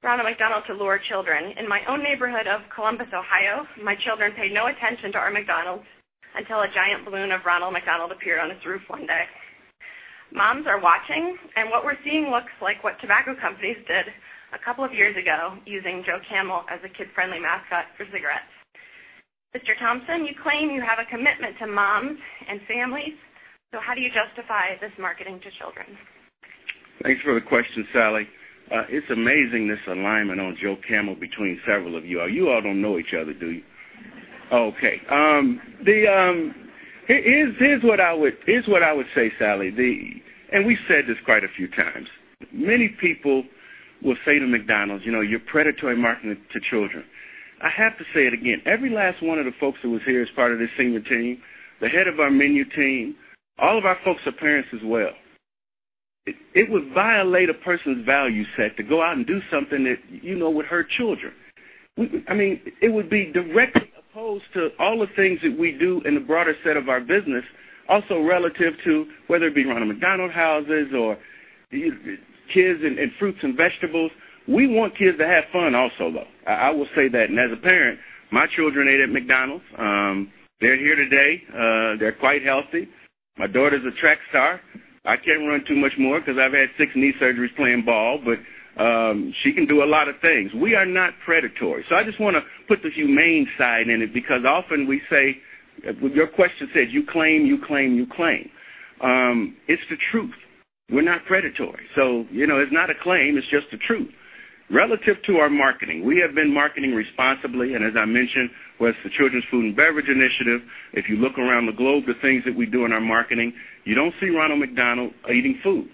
Ronald McDonald to lure children. In my own neighborhood of Columbus, Ohio, my children paid no attention to our McDonald's until a giant balloon of Ronald McDonald appeared on its roof one day. Moms are watching, and what we're seeing looks like what tobacco companies did a couple of years ago, using Joe Camel as a kid-friendly mascot for cigarettes. Mr. Thompson, you claim you have a commitment to moms and families, how do you justify this marketing to children? Thanks for the question, Sally. It's amazing this alignment on Joe Camel between several of you. You all don't know each other, do you? Okay. Here's what I would say, Sally, and we said this quite a few times. Many people will say to McDonald's, "You're predatory marketing to children." I have to say it again. Every last one of the folks that was here as part of this senior team, the head of our menu team, all of our folks are parents as well. It would violate a person's value set to go out and do something that would hurt children. It would be directly opposed to all the things that we do in the broader set of our business. Also relative to whether it be Ronald McDonald Houses or kids and fruits and vegetables. We want kids to have fun also, though. I will say that. As a parent, my children ate at McDonald's. They're here today. They're quite healthy. My daughter's a track star. I can't run too much more because I've had six knee surgeries playing ball, but she can do a lot of things. We are not predatory. I just want to put the humane side in it because often we say, your question said, "You claim, you claim, you claim." It's the truth. We're not predatory. It's not a claim. It's just the truth. Relative to our marketing, we have been marketing responsibly, and as I mentioned, with the Children's Food and Beverage Initiative. If you look around the globe, the things that we do in our marketing, you don't see Ronald McDonald eating food.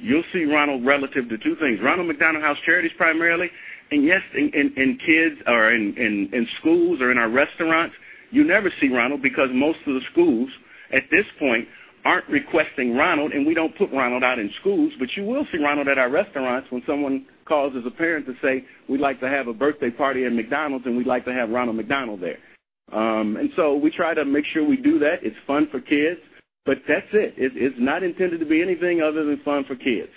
You'll see Ronald relative to two things, Ronald McDonald House Charities primarily, and yes, in kids or in schools or in our restaurants. You never see Ronald because most of the schools, at this point, aren't requesting Ronald, and we don't put Ronald out in schools, but you will see Ronald at our restaurants when someone calls as a parent to say, "We'd like to have a birthday party at McDonald's, and we'd like to have Ronald McDonald there." We try to make sure we do that. It's fun for kids, but that's it. It's not intended to be anything other than fun for kids.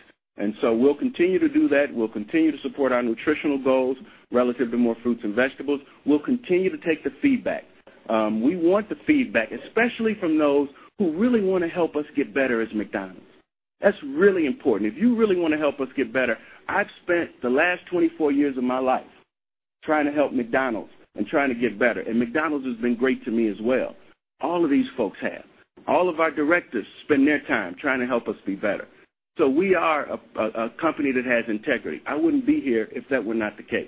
We'll continue to do that. We'll continue to support our nutritional goals relative to more fruits and vegetables. We'll continue to take the feedback. We want the feedback, especially from those who really want to help us get better as McDonald's. That's really important. If you really want to help us get better, I've spent the last 24 years of my life trying to help McDonald's and trying to get better. McDonald's has been great to me as well. All of these folks have. All of our directors spend their time trying to help us be better. We are a company that has integrity. I wouldn't be here if that were not the case.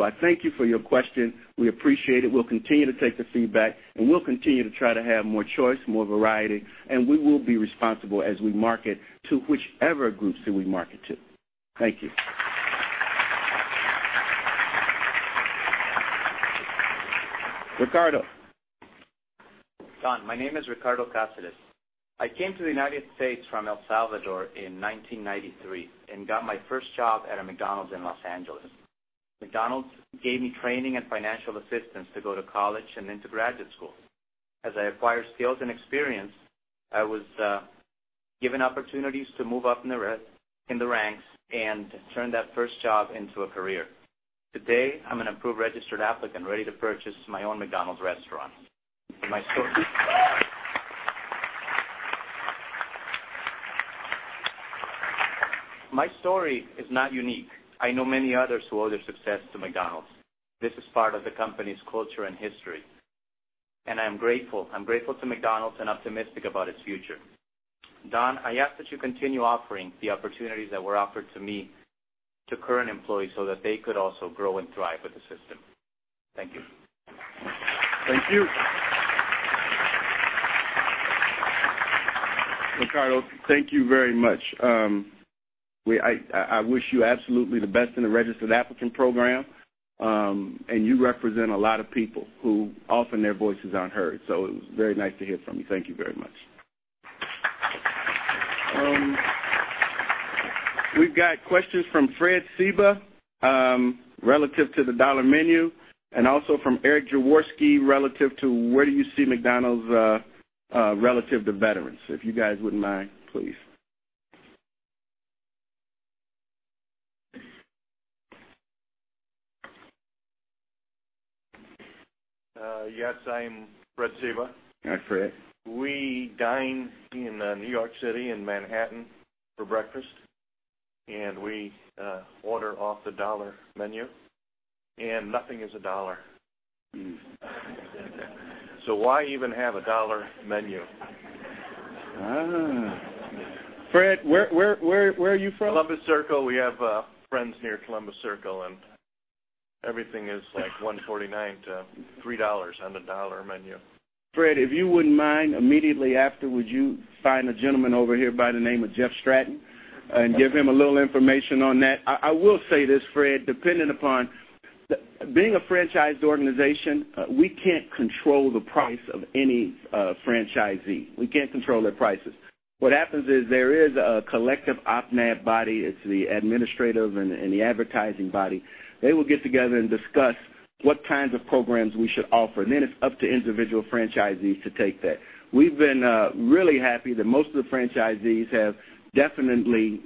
I thank you for your question. We appreciate it. We'll continue to take the feedback, and we'll continue to try to have more choice, more variety, and we will be responsible as we market to whichever groups that we market to. Thank you. Ricardo. Don, my name is Ricardo Caceres. I came to the U.S. from El Salvador in 1993 and got my first job at a McDonald's in L.A. McDonald's gave me training and financial assistance to go to college and into graduate school. As I acquired skills and experience, I was given opportunities to move up in the ranks and turn that first job into a career. Today, I'm an approved registered applicant ready to purchase my own McDonald's restaurant. My story is not unique. I know many others who owe their success to McDonald's. This is part of the company's culture and history, and I am grateful. I'm grateful to McDonald's and optimistic about its future. Don, I ask that you continue offering the opportunities that were offered to me to current employees so that they could also grow and thrive with the system. Thank you. Thank you. Ricardo, thank you very much. I wish you absolutely the best in the registered applicant program. You represent a lot of people who often their voices aren't heard, so it was very nice to hear from you. Thank you very much. We've got questions from Fred Seeba, relative to the Dollar Menu, and also from Eric Jaworski, relative to where do you see McDonald's relative to veterans. If you guys wouldn't mind, please. Yes, I am Fred Seeba. Hi, Fred. We dine in New York City, in Manhattan, for breakfast. We order off the Dollar Menu, and nothing is a dollar. Why even have a Dollar Menu? Fred, where are you from? Columbus Circle. We have friends near Columbus Circle, everything is like $1.49 to $3 on the Dollar Menu. Fred, if you wouldn't mind, immediately after, would you find a gentleman over here by the name of Jeff Stratton and give him a little information on that? I will say this, Fred, being a franchised organization, we can't control the price of any franchisee. We can't control their prices. What happens is there is a collective OPNAD body. It's the administrative and the advertising body. They will get together and discuss what kinds of programs we should offer, and then it's up to individual franchisees to take that. We've been really happy that most of the franchisees have definitely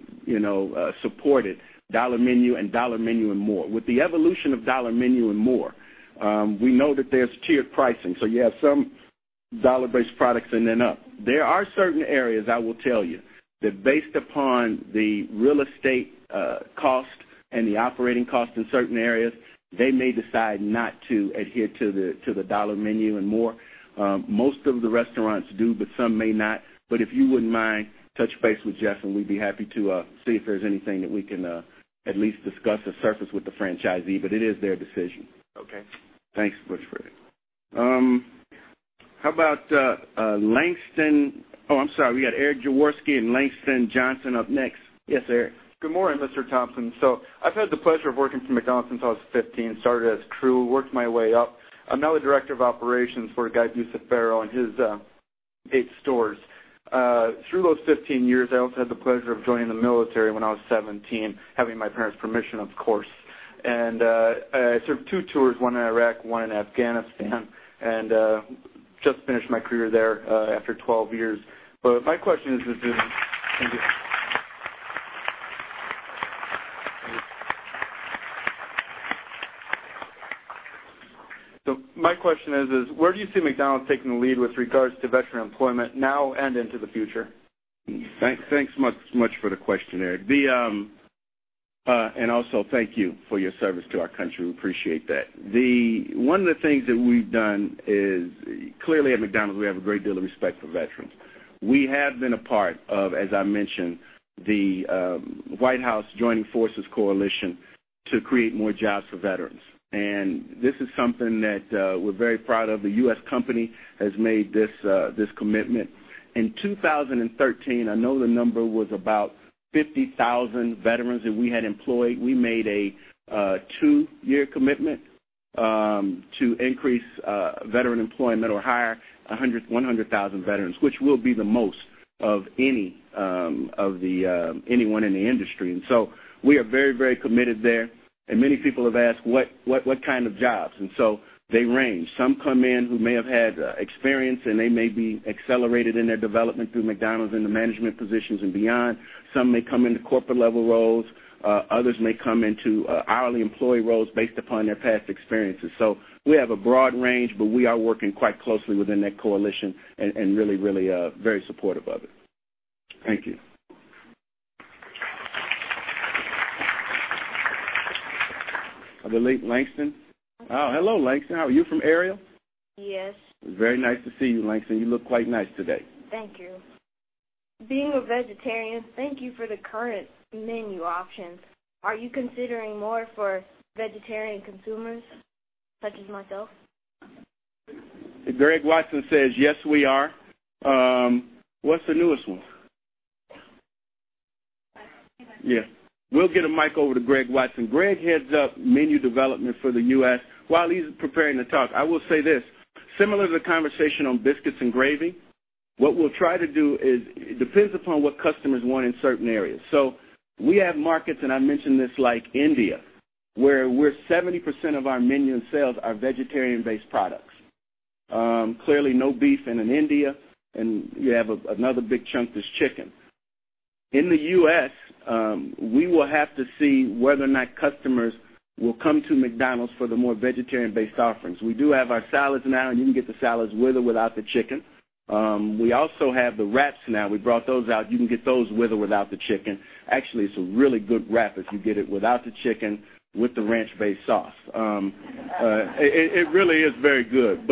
supported Dollar Menu and Dollar Menu & More. With the evolution of Dollar Menu & More, we know that there's tiered pricing, so you have some dollar-based products and then up. There are certain areas, I will tell you, that based upon the real estate cost and the operating cost in certain areas, they may decide not to adhere to the Dollar Menu & More. Most of the restaurants do, but some may not. If you wouldn't mind, touch base with Jeff, and we'd be happy to see if there's anything that we can at least discuss the surface with the franchisee, but it is their decision. Okay. Thanks much, Fred. Oh, I'm sorry. We got Eric Jaworski and Langston Johnson up next. Yes, Eric. Good morning, Mr. Thompson. I've had the pleasure of working for McDonald's since I was 15. Started as crew, worked my way up. I'm now the director of operations for a guy, Bucciferro, and his eight stores. Through those 15 years, I also had the pleasure of joining the military when I was 17, having my parents' permission, of course. I served two tours, one in Iraq, one in Afghanistan, and just finished my career there after 12 years. Thank you. My question is, where do you see McDonald's taking the lead with regards to veteran employment now and into the future? Thanks much for the question, Eric. Also thank you for your service to our country. We appreciate that. One of the things that we've done is, clearly at McDonald's, we have a great deal of respect for veterans. We have been a part of, as I mentioned, the White House Joining Forces coalition to create more jobs for veterans, and this is something that we're very proud of. A U.S. company has made this commitment. In 2013, I know the number was about 50,000 veterans that we had employed. We made a two-year commitment to increase veteran employment or hire 100,000 veterans, which will be the most of anyone in the industry. We are very committed there. Many people have asked, what kind of jobs? They range. Some come in who may have had experience, and they may be accelerated in their development through McDonald's in the management positions and beyond. Some may come into corporate-level roles. Others may come into hourly employee roles based upon their past experiences. We have a broad range, but we are working quite closely within that coalition and really very supportive of it. Thank you. I believe Langston. Oh, hello, Langston. Are you from Ariel? Yes. Very nice to see you, Langston. You look quite nice today. Thank you. Being a vegetarian, thank you for the current menu options. Are you considering more for vegetarian consumers such as myself? Greg Watson says, "Yes, we are." What's the newest one? Yeah. We'll get a mic over to Greg Watson. Greg heads up menu development for the U.S. While he's preparing to talk, I will say this, similar to the conversation on biscuits and gravy, what we'll try to do is it depends upon what customers want in certain areas. We have markets, and I mentioned this, like India, where 70% of our menu and sales are vegetarian-based products. Clearly, no beef in India, and you have another big chunk that's chicken. In the U.S., we will have to see whether or not customers will come to McDonald's for the more vegetarian-based offerings. We do have our salads now, and you can get the salads with or without the chicken. We also have the wraps now. We brought those out. You can get those with or without the chicken. Actually, it's a really good wrap if you get it without the chicken, with the ranch-based sauce. It really is very good,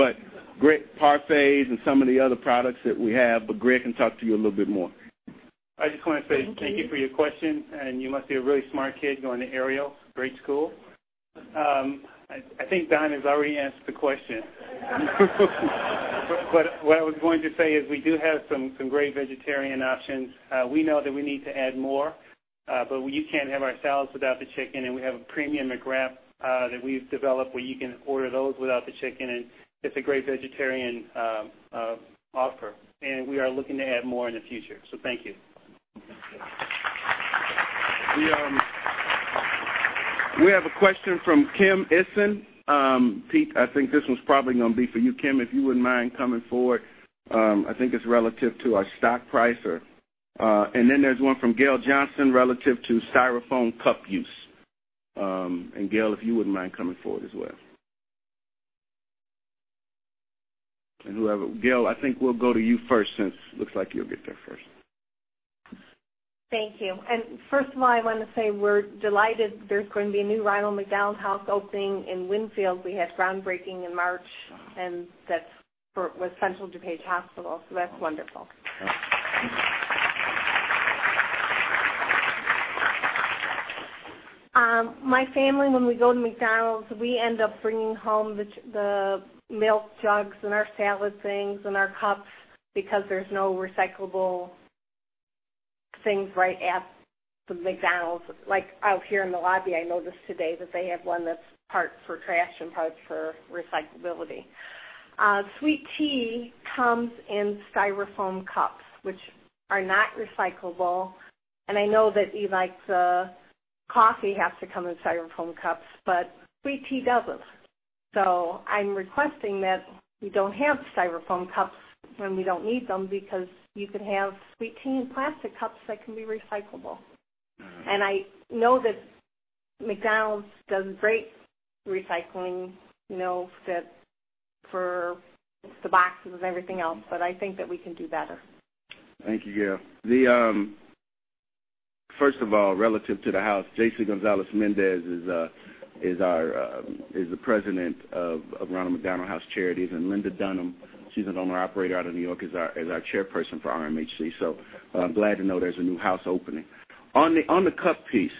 parfaits and some of the other products that we have. Greg can talk to you a little bit more. I just want to say thank you for your question, you must be a really smart kid going to Ariel. Great school. I think Don has already answered the question. What I was going to say is we do have some great vegetarian options. We know that we need to add more, but you can have our salads without the chicken, and we have a premium McWrap that we've developed where you can order those without the chicken, and it's a great vegetarian offer. We are looking to add more in the future. Thank you. We have a question from Kim Eason. Pete, I think this one's probably going to be for you. Kim, if you wouldn't mind coming forward. I think it's relative to our stock price. Then there's one from Gail Johnson relative to styrofoam cup use. Gail, if you wouldn't mind coming forward as well. Whoever, Gail, I think we'll go to you first since it looks like you'll get there first. Thank you. First of all, I want to say we're delighted there's going to be a new Ronald McDonald House opening in Winfield. We had groundbreaking in March, and that's with Central DuPage Hospital, that's wonderful. My family, when we go to McDonald's, we end up bringing home the milk jugs and our salad things and our cups because there's no recyclable things right at the McDonald's. Out here in the lobby, I noticed today that they have one that's part for trash and part for recyclability. Sweet tea comes in styrofoam cups, which are not recyclable. I know that you like the coffee has to come in styrofoam cups, but sweet tea doesn't. I'm requesting that we don't have styrofoam cups when we don't need them because you could have sweet tea in plastic cups that can be recyclable. I know that McDonald's does great recycling for the boxes and everything else, I think that we can do better. Thank you, Gail. First of all, relative to the house, J.C. Gonzalez-Mendez is the president of Ronald McDonald House Charities, and Linda Dunham, she's an owner-operator out of New York, is our chairperson for RMHC. I'm glad to know there's a new house opening. On the cup piece.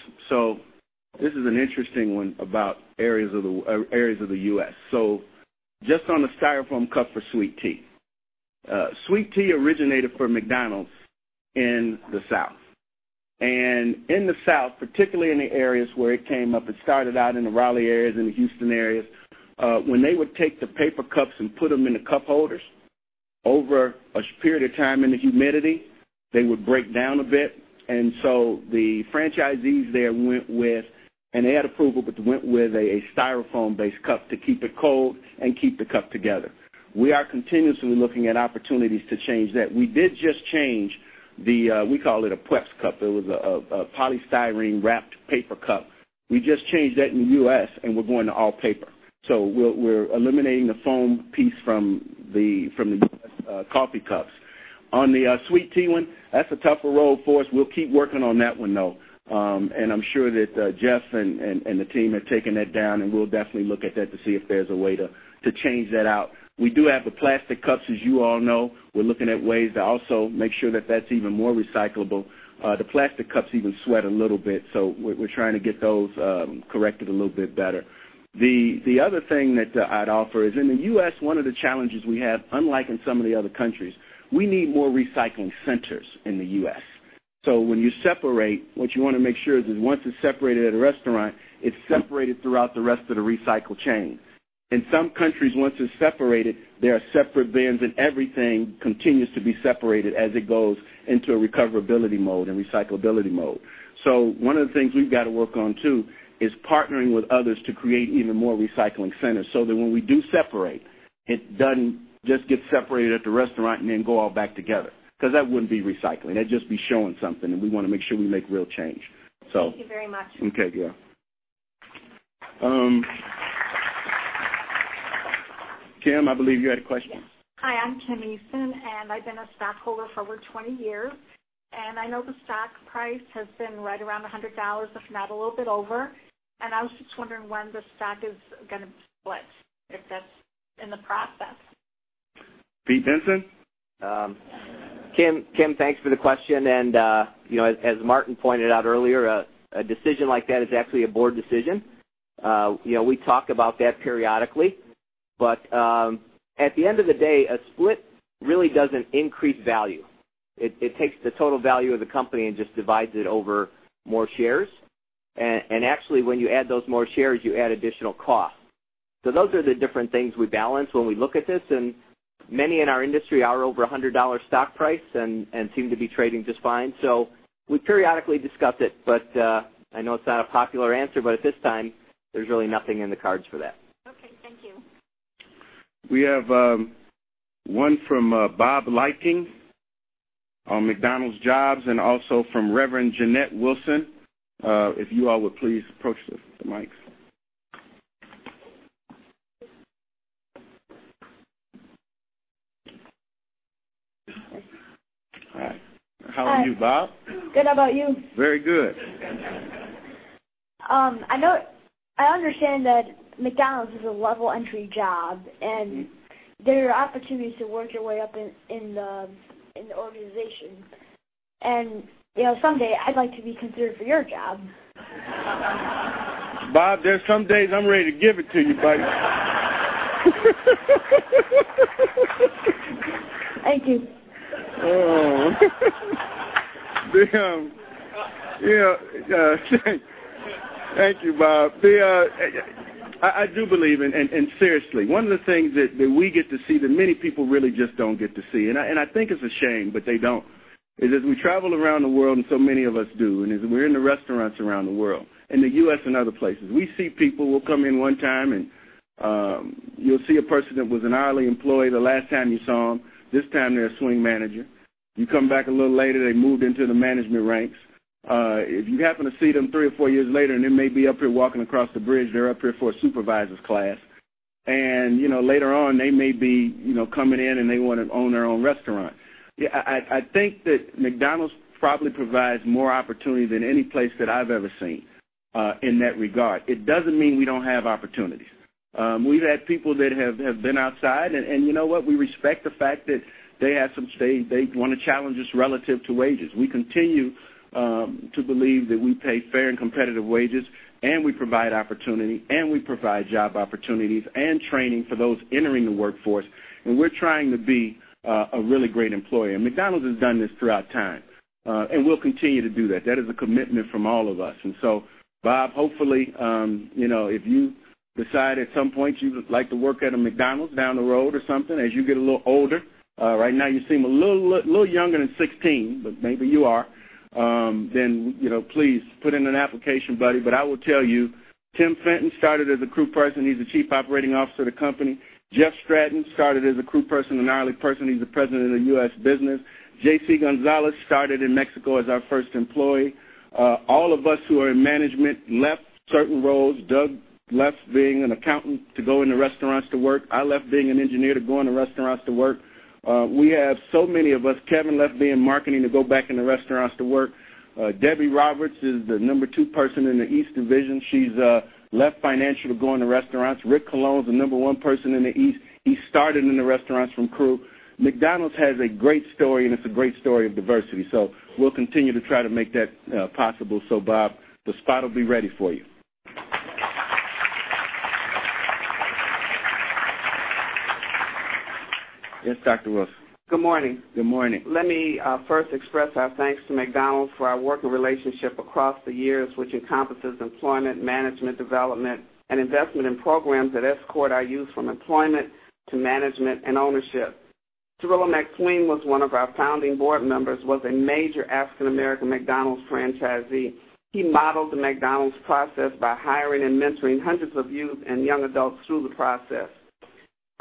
This is an interesting one about areas of the U.S. Just on the styrofoam cup for sweet tea. Sweet tea originated from McDonald's in the South. In the South, particularly in the areas where it came up, it started out in the Raleigh areas and the Houston areas. When they would take the paper cups and put them in the cup holders, over a period of time in the humidity, they would break down a bit. The franchisees there went with, and they had approval, but they went with a styrofoam-based cup to keep it cold and keep the cup together. We are continuously looking at opportunities to change that. We did just change the, we call it a press cup. It was a polystyrene wrapped paper cup. We just changed that in the U.S., and we're going to all paper. We're eliminating the foam piece from the U.S. coffee cups. On the sweet tea one, that's a tougher road for us. We'll keep working on that one, though. I'm sure that Jeff and the team have taken that down, and we'll definitely look at that to see if there's a way to change that out. We do have the plastic cups, as you all know. We're looking at ways to also make sure that that's even more recyclable. The plastic cups even sweat a little bit, we're trying to get those corrected a little bit better. The other thing that I'd offer is in the U.S., one of the challenges we have, unlike in some of the other countries, we need more recycling centers in the U.S. When you separate, what you want to make sure is that once it's separated at a restaurant, it's separated throughout the rest of the recycle chain. In some countries, once it's separated, there are separate bins, and everything continues to be separated as it goes into a recoverability mode and recyclability mode. One of the things we've got to work on, too, is partnering with others to create even more recycling centers so that when we do separate, it doesn't just get separated at the restaurant and then go all back together because that wouldn't be recycling. That'd just be showing something, and we want to make sure we make real change. Thank you very much. Okay, Gail. Kim, I believe you had a question. Hi, I'm Kim Eason, I've been a stockholder for over 20 years. I know the stock price has been right around $100, if not a little bit over. I was just wondering when the stock is going to split, if that's in the process. Pete Bensen? Kim Eason, thanks for the question. As Martin Glasser pointed out earlier, a decision like that is actually a board decision. We talk about that periodically, but at the end of the day, a split really doesn't increase value. It takes the total value of the company and just divides it over more shares. Actually, when you add those more shares, you add additional cost. Those are the different things we balance when we look at this, and many in our industry are over $100 stock price and seem to be trading just fine. We periodically discuss it, but I know it's not a popular answer, but at this time, there's really nothing in the cards for that. Okay. Thank you. We have one from Bob Liking on McDonald's jobs and also from Reverend Janette Wilson. If you all would please approach the mics. All right. How are you, Bob? Good. How about you? Very good. I understand that McDonald's is a level entry job and there are opportunities to work your way up in the organization and someday I'd like to be considered for your job. Bob, there's some days I'm ready to give it to you, buddy. Thank you. Thank you, Bob. I do believe and seriously, one of the things that we get to see that many people really just don't get to see, and I think it's a shame, but they don't, is as we travel around the world, and so many of us do, and as we're in the restaurants around the world, in the U.S. and other places. We see people will come in one time and you'll see a person that was an hourly employee the last time you saw them. This time, they're a swing manager. You come back a little later, they moved into the management ranks. If you happen to see them three or four years later, they may be up here walking across the bridge, they're up here for a supervisors class. Later on, they may be coming in, and they want to own their own restaurant. I think that McDonald's probably provides more opportunity than any place that I've ever seen in that regard. It doesn't mean we don't have opportunities. We've had people that have been outside, and you know what? We respect the fact that they want to challenge us relative to wages. We continue to believe that we pay fair and competitive wages, and we provide opportunity, and we provide job opportunities and training for those entering the workforce. We're trying to be a really great employer. McDonald's has done this throughout time and will continue to do that. That is a commitment from all of us. Bob, hopefully, if you decide at some point you would like to work at a McDonald's down the road or something as you get a little older. Right now you seem a little younger than 16, but maybe you are. Please put in an application, buddy. I will tell you, Tim Fenton started as a crew person. He's the Chief Operating Officer of the company. Jeff Stratton started as a crew person and an hourly person. He's the president of the U.S. business. J.C. Gonzalez started in Mexico as our first employee. All of us who are in management left certain roles. Doug left being an accountant to go into restaurants to work. I left being an engineer to go in the restaurants to work. We have so many of us. Kevin left being in marketing to go back in the restaurants to work. Debbie Roberts is the number 2 person in the East division. She's left financial to go in the restaurants. Rick Colón is the number 1 person in the East. He started in the restaurants from crew. McDonald's has a great story, and it's a great story of diversity. We'll continue to try to make that possible. Bob, the spot will be ready for you. Yes, Dr. Wilson. Good morning. Good morning. Let me first express our thanks to McDonald's for our working relationship across the years, which encompasses employment, management development, and investment in programs that escort our youth from employment to management and ownership. Cirilo McSween was one of our founding board members, was a major African American McDonald's franchisee. He modeled the McDonald's process by hiring and mentoring hundreds of youth and young adults through the process.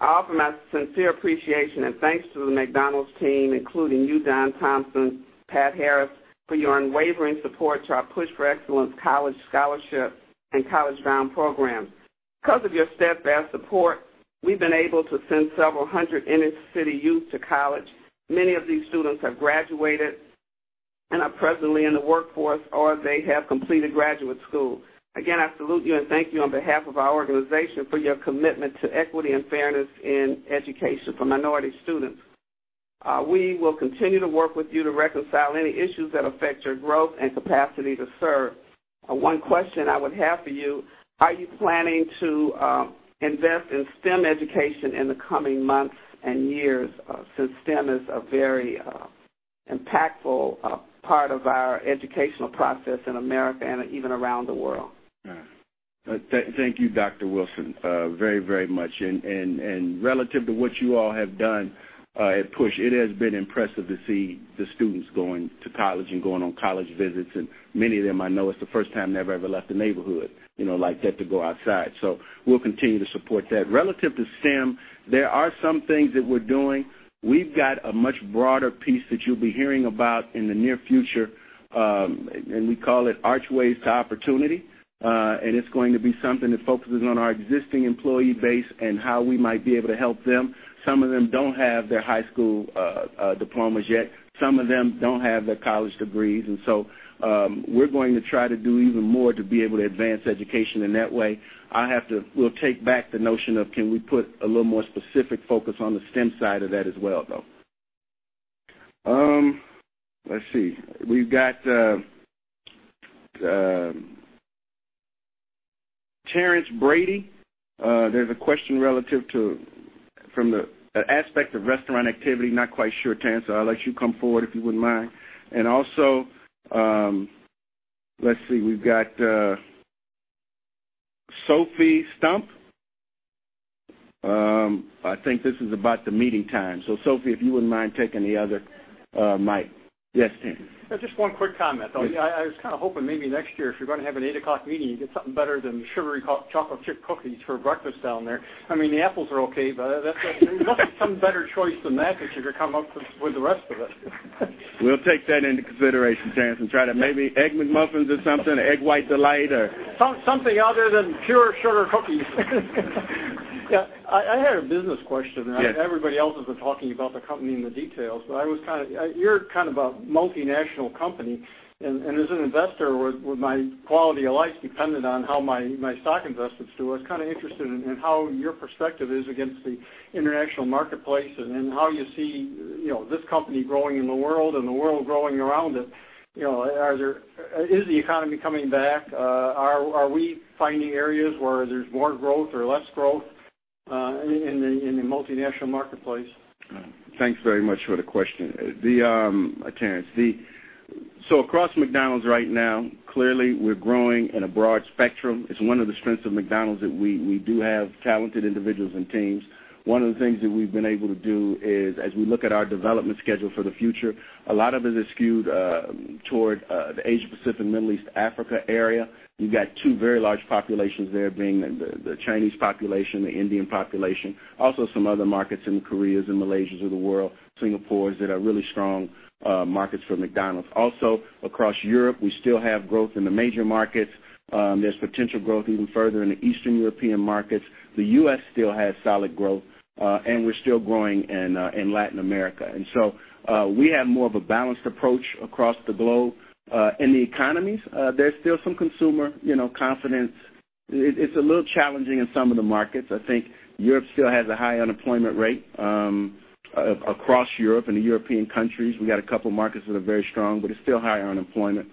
I offer my sincere appreciation and thanks to the McDonald's team, including you, Don Thompson, Pat Harris, for your unwavering support to our PUSH For Excellence college scholarship and college bound programs. Because of your steadfast support, we've been able to send several hundred inner city youth to college. Many of these students have graduated and are presently in the workforce, or they have completed graduate school. Again, I salute you and thank you on behalf of our organization for your commitment to equity and fairness in education for minority students. We will continue to work with you to reconcile any issues that affect your growth and capacity to serve. One question I would have for you, are you planning to invest in STEM education in the coming months and years since STEM is a very impactful part of our educational process in America and even around the world? Thank you, Dr. Wilson very much. Relative to what you all have done at PUSH, it has been impressive to see the students going to college and going on college visits. Many of them I know it's the first time they've ever left the neighborhood like that to go outside. We'll continue to support that. Relative to STEM, there are some things that we're doing. We've got a much broader piece that you'll be hearing about in the near future. We call it Archways to Opportunity. It's going to be something that focuses on our existing employee base and how we might be able to help them. Some of them don't have their high school diplomas yet. Some of them don't have their college degrees. We're going to try to do even more to be able to advance education in that way. We'll take back the notion of can we put a little more specific focus on the STEM side of that as well, though. Let's see. We've got Terrence Brady. There's a question relative to from the aspect of restaurant activity. Not quite sure, Terrence. I'll let you come forward if you wouldn't mind. Also, let's see. We've got Sophie Stumpf. I think this is about the meeting time. Sophie, if you wouldn't mind taking the other mic. Yes, Terrence. Just one quick comment. I was kind of hoping maybe next year if you're going to have an 8:00 A.M. meeting, you get something better than sugary chocolate chip cookies for breakfast down there. I mean, the apples are okay, there must be some better choice than that that you could come up with for the rest of us. We'll take that into consideration, Terrence, try to maybe Egg McMuffins or something, Egg White Delight. Something other than pure sugar cookies. I had a business question. Yes. Everybody else has been talking about the company and the details. You're a multinational company, and as an investor with my quality of life dependent on how my stock investments do, I was kind of interested in how your perspective is against the international marketplace and how you see this company growing in the world and the world growing around it. Is the economy coming back? Are we finding areas where there's more growth or less growth in the multinational marketplace? Thanks very much for the question, Terrence. Across McDonald's right now, clearly we're growing in a broad spectrum. It's one of the strengths of McDonald's that we do have talented individuals and teams. One of the things that we've been able to do is as we look at our development schedule for the future, a lot of it is skewed toward the Asia-Pacific, Middle East, Africa area. You've got two very large populations there being the Chinese population, the Indian population. Also some other markets in the Koreas and Malaysias of the world, Singapores, that are really strong markets for McDonald's. Also across Europe, we still have growth in the major markets. There's potential growth even further in the Eastern European markets. The U.S. still has solid growth. We're still growing in Latin America. We have more of a balanced approach across the globe. In the economies, there's still some consumer confidence. It's a little challenging in some of the markets. I think Europe still has a high unemployment rate. Across Europe and the European countries, we got a couple markets that are very strong, but it's still high unemployment.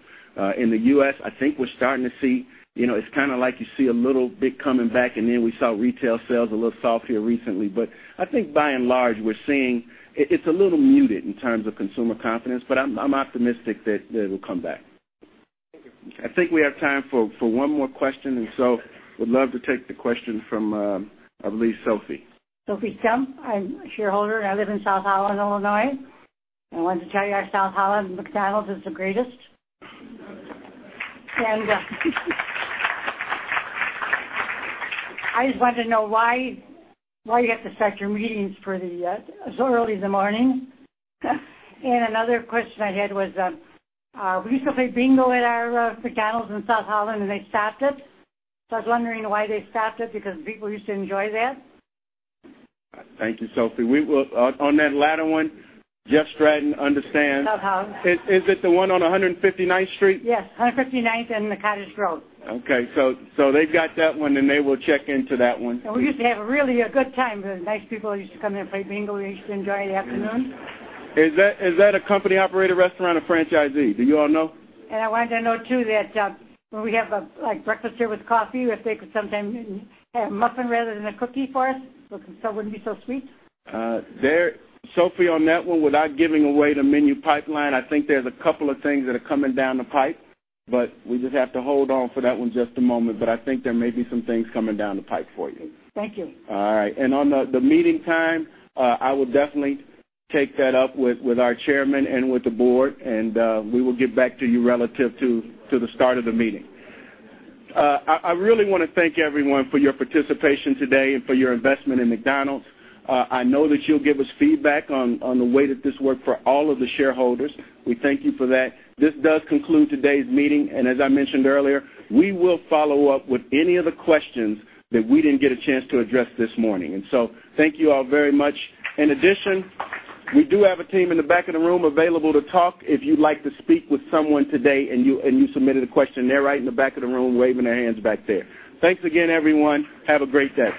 In the U.S., I think we're starting to see, it's kind of like you see a little bit coming back, and then we saw retail sales a little soft here recently. I think by and large, we're seeing it's a little muted in terms of consumer confidence. I'm optimistic that it'll come back. Thank you. I think we have time for one more question, would love to take the question from, I believe, Sophie. Sophie Stumpf. I'm a shareholder, I live in South Holland, Illinois. I wanted to tell you our South Holland McDonald's is the greatest. I just wanted to know why you have to set your meetings for so early in the morning. Another question I had was, we used to play bingo at our McDonald's in South Holland, they stopped it. I was wondering why they stopped it, because people used to enjoy that. Thank you, Sophie. On that latter one, Jeff Stratton understands. South Holland. Is it the one on 159th Street? Yes, 159th and the Cottage Grove. Okay, they've got that one, and they will check into that one for you. We used to have a really good time. Nice people used to come in and play bingo. They used to enjoy the afternoon. Is that a company-operated restaurant or franchisee? Do you all know? I wanted to know, too, that when we have breakfast here with coffee, if they could sometime have a muffin rather than a cookie for us, so it wouldn't be so sweet. Sophie, on that one, without giving away the menu pipeline, I think there's a couple of things that are coming down the pipe. We just have to hold on for that one just a moment. I think there may be some things coming down the pipe for you. Thank you. All right. On the meeting time, I will definitely take that up with our Chairman and with the board and we will get back to you relative to the start of the meeting. I really want to thank everyone for your participation today and for your investment in McDonald's. I know that you'll give us feedback on the way that this worked for all of the shareholders. We thank you for that. This does conclude today's meeting. As I mentioned earlier, we will follow up with any of the questions that we didn't get a chance to address this morning. Thank you all very much. In addition, we do have a team in the back of the room available to talk if you'd like to speak with someone today and you submitted a question. They're right in the back of the room waving their hands back there. Thanks again, everyone. Have a great day.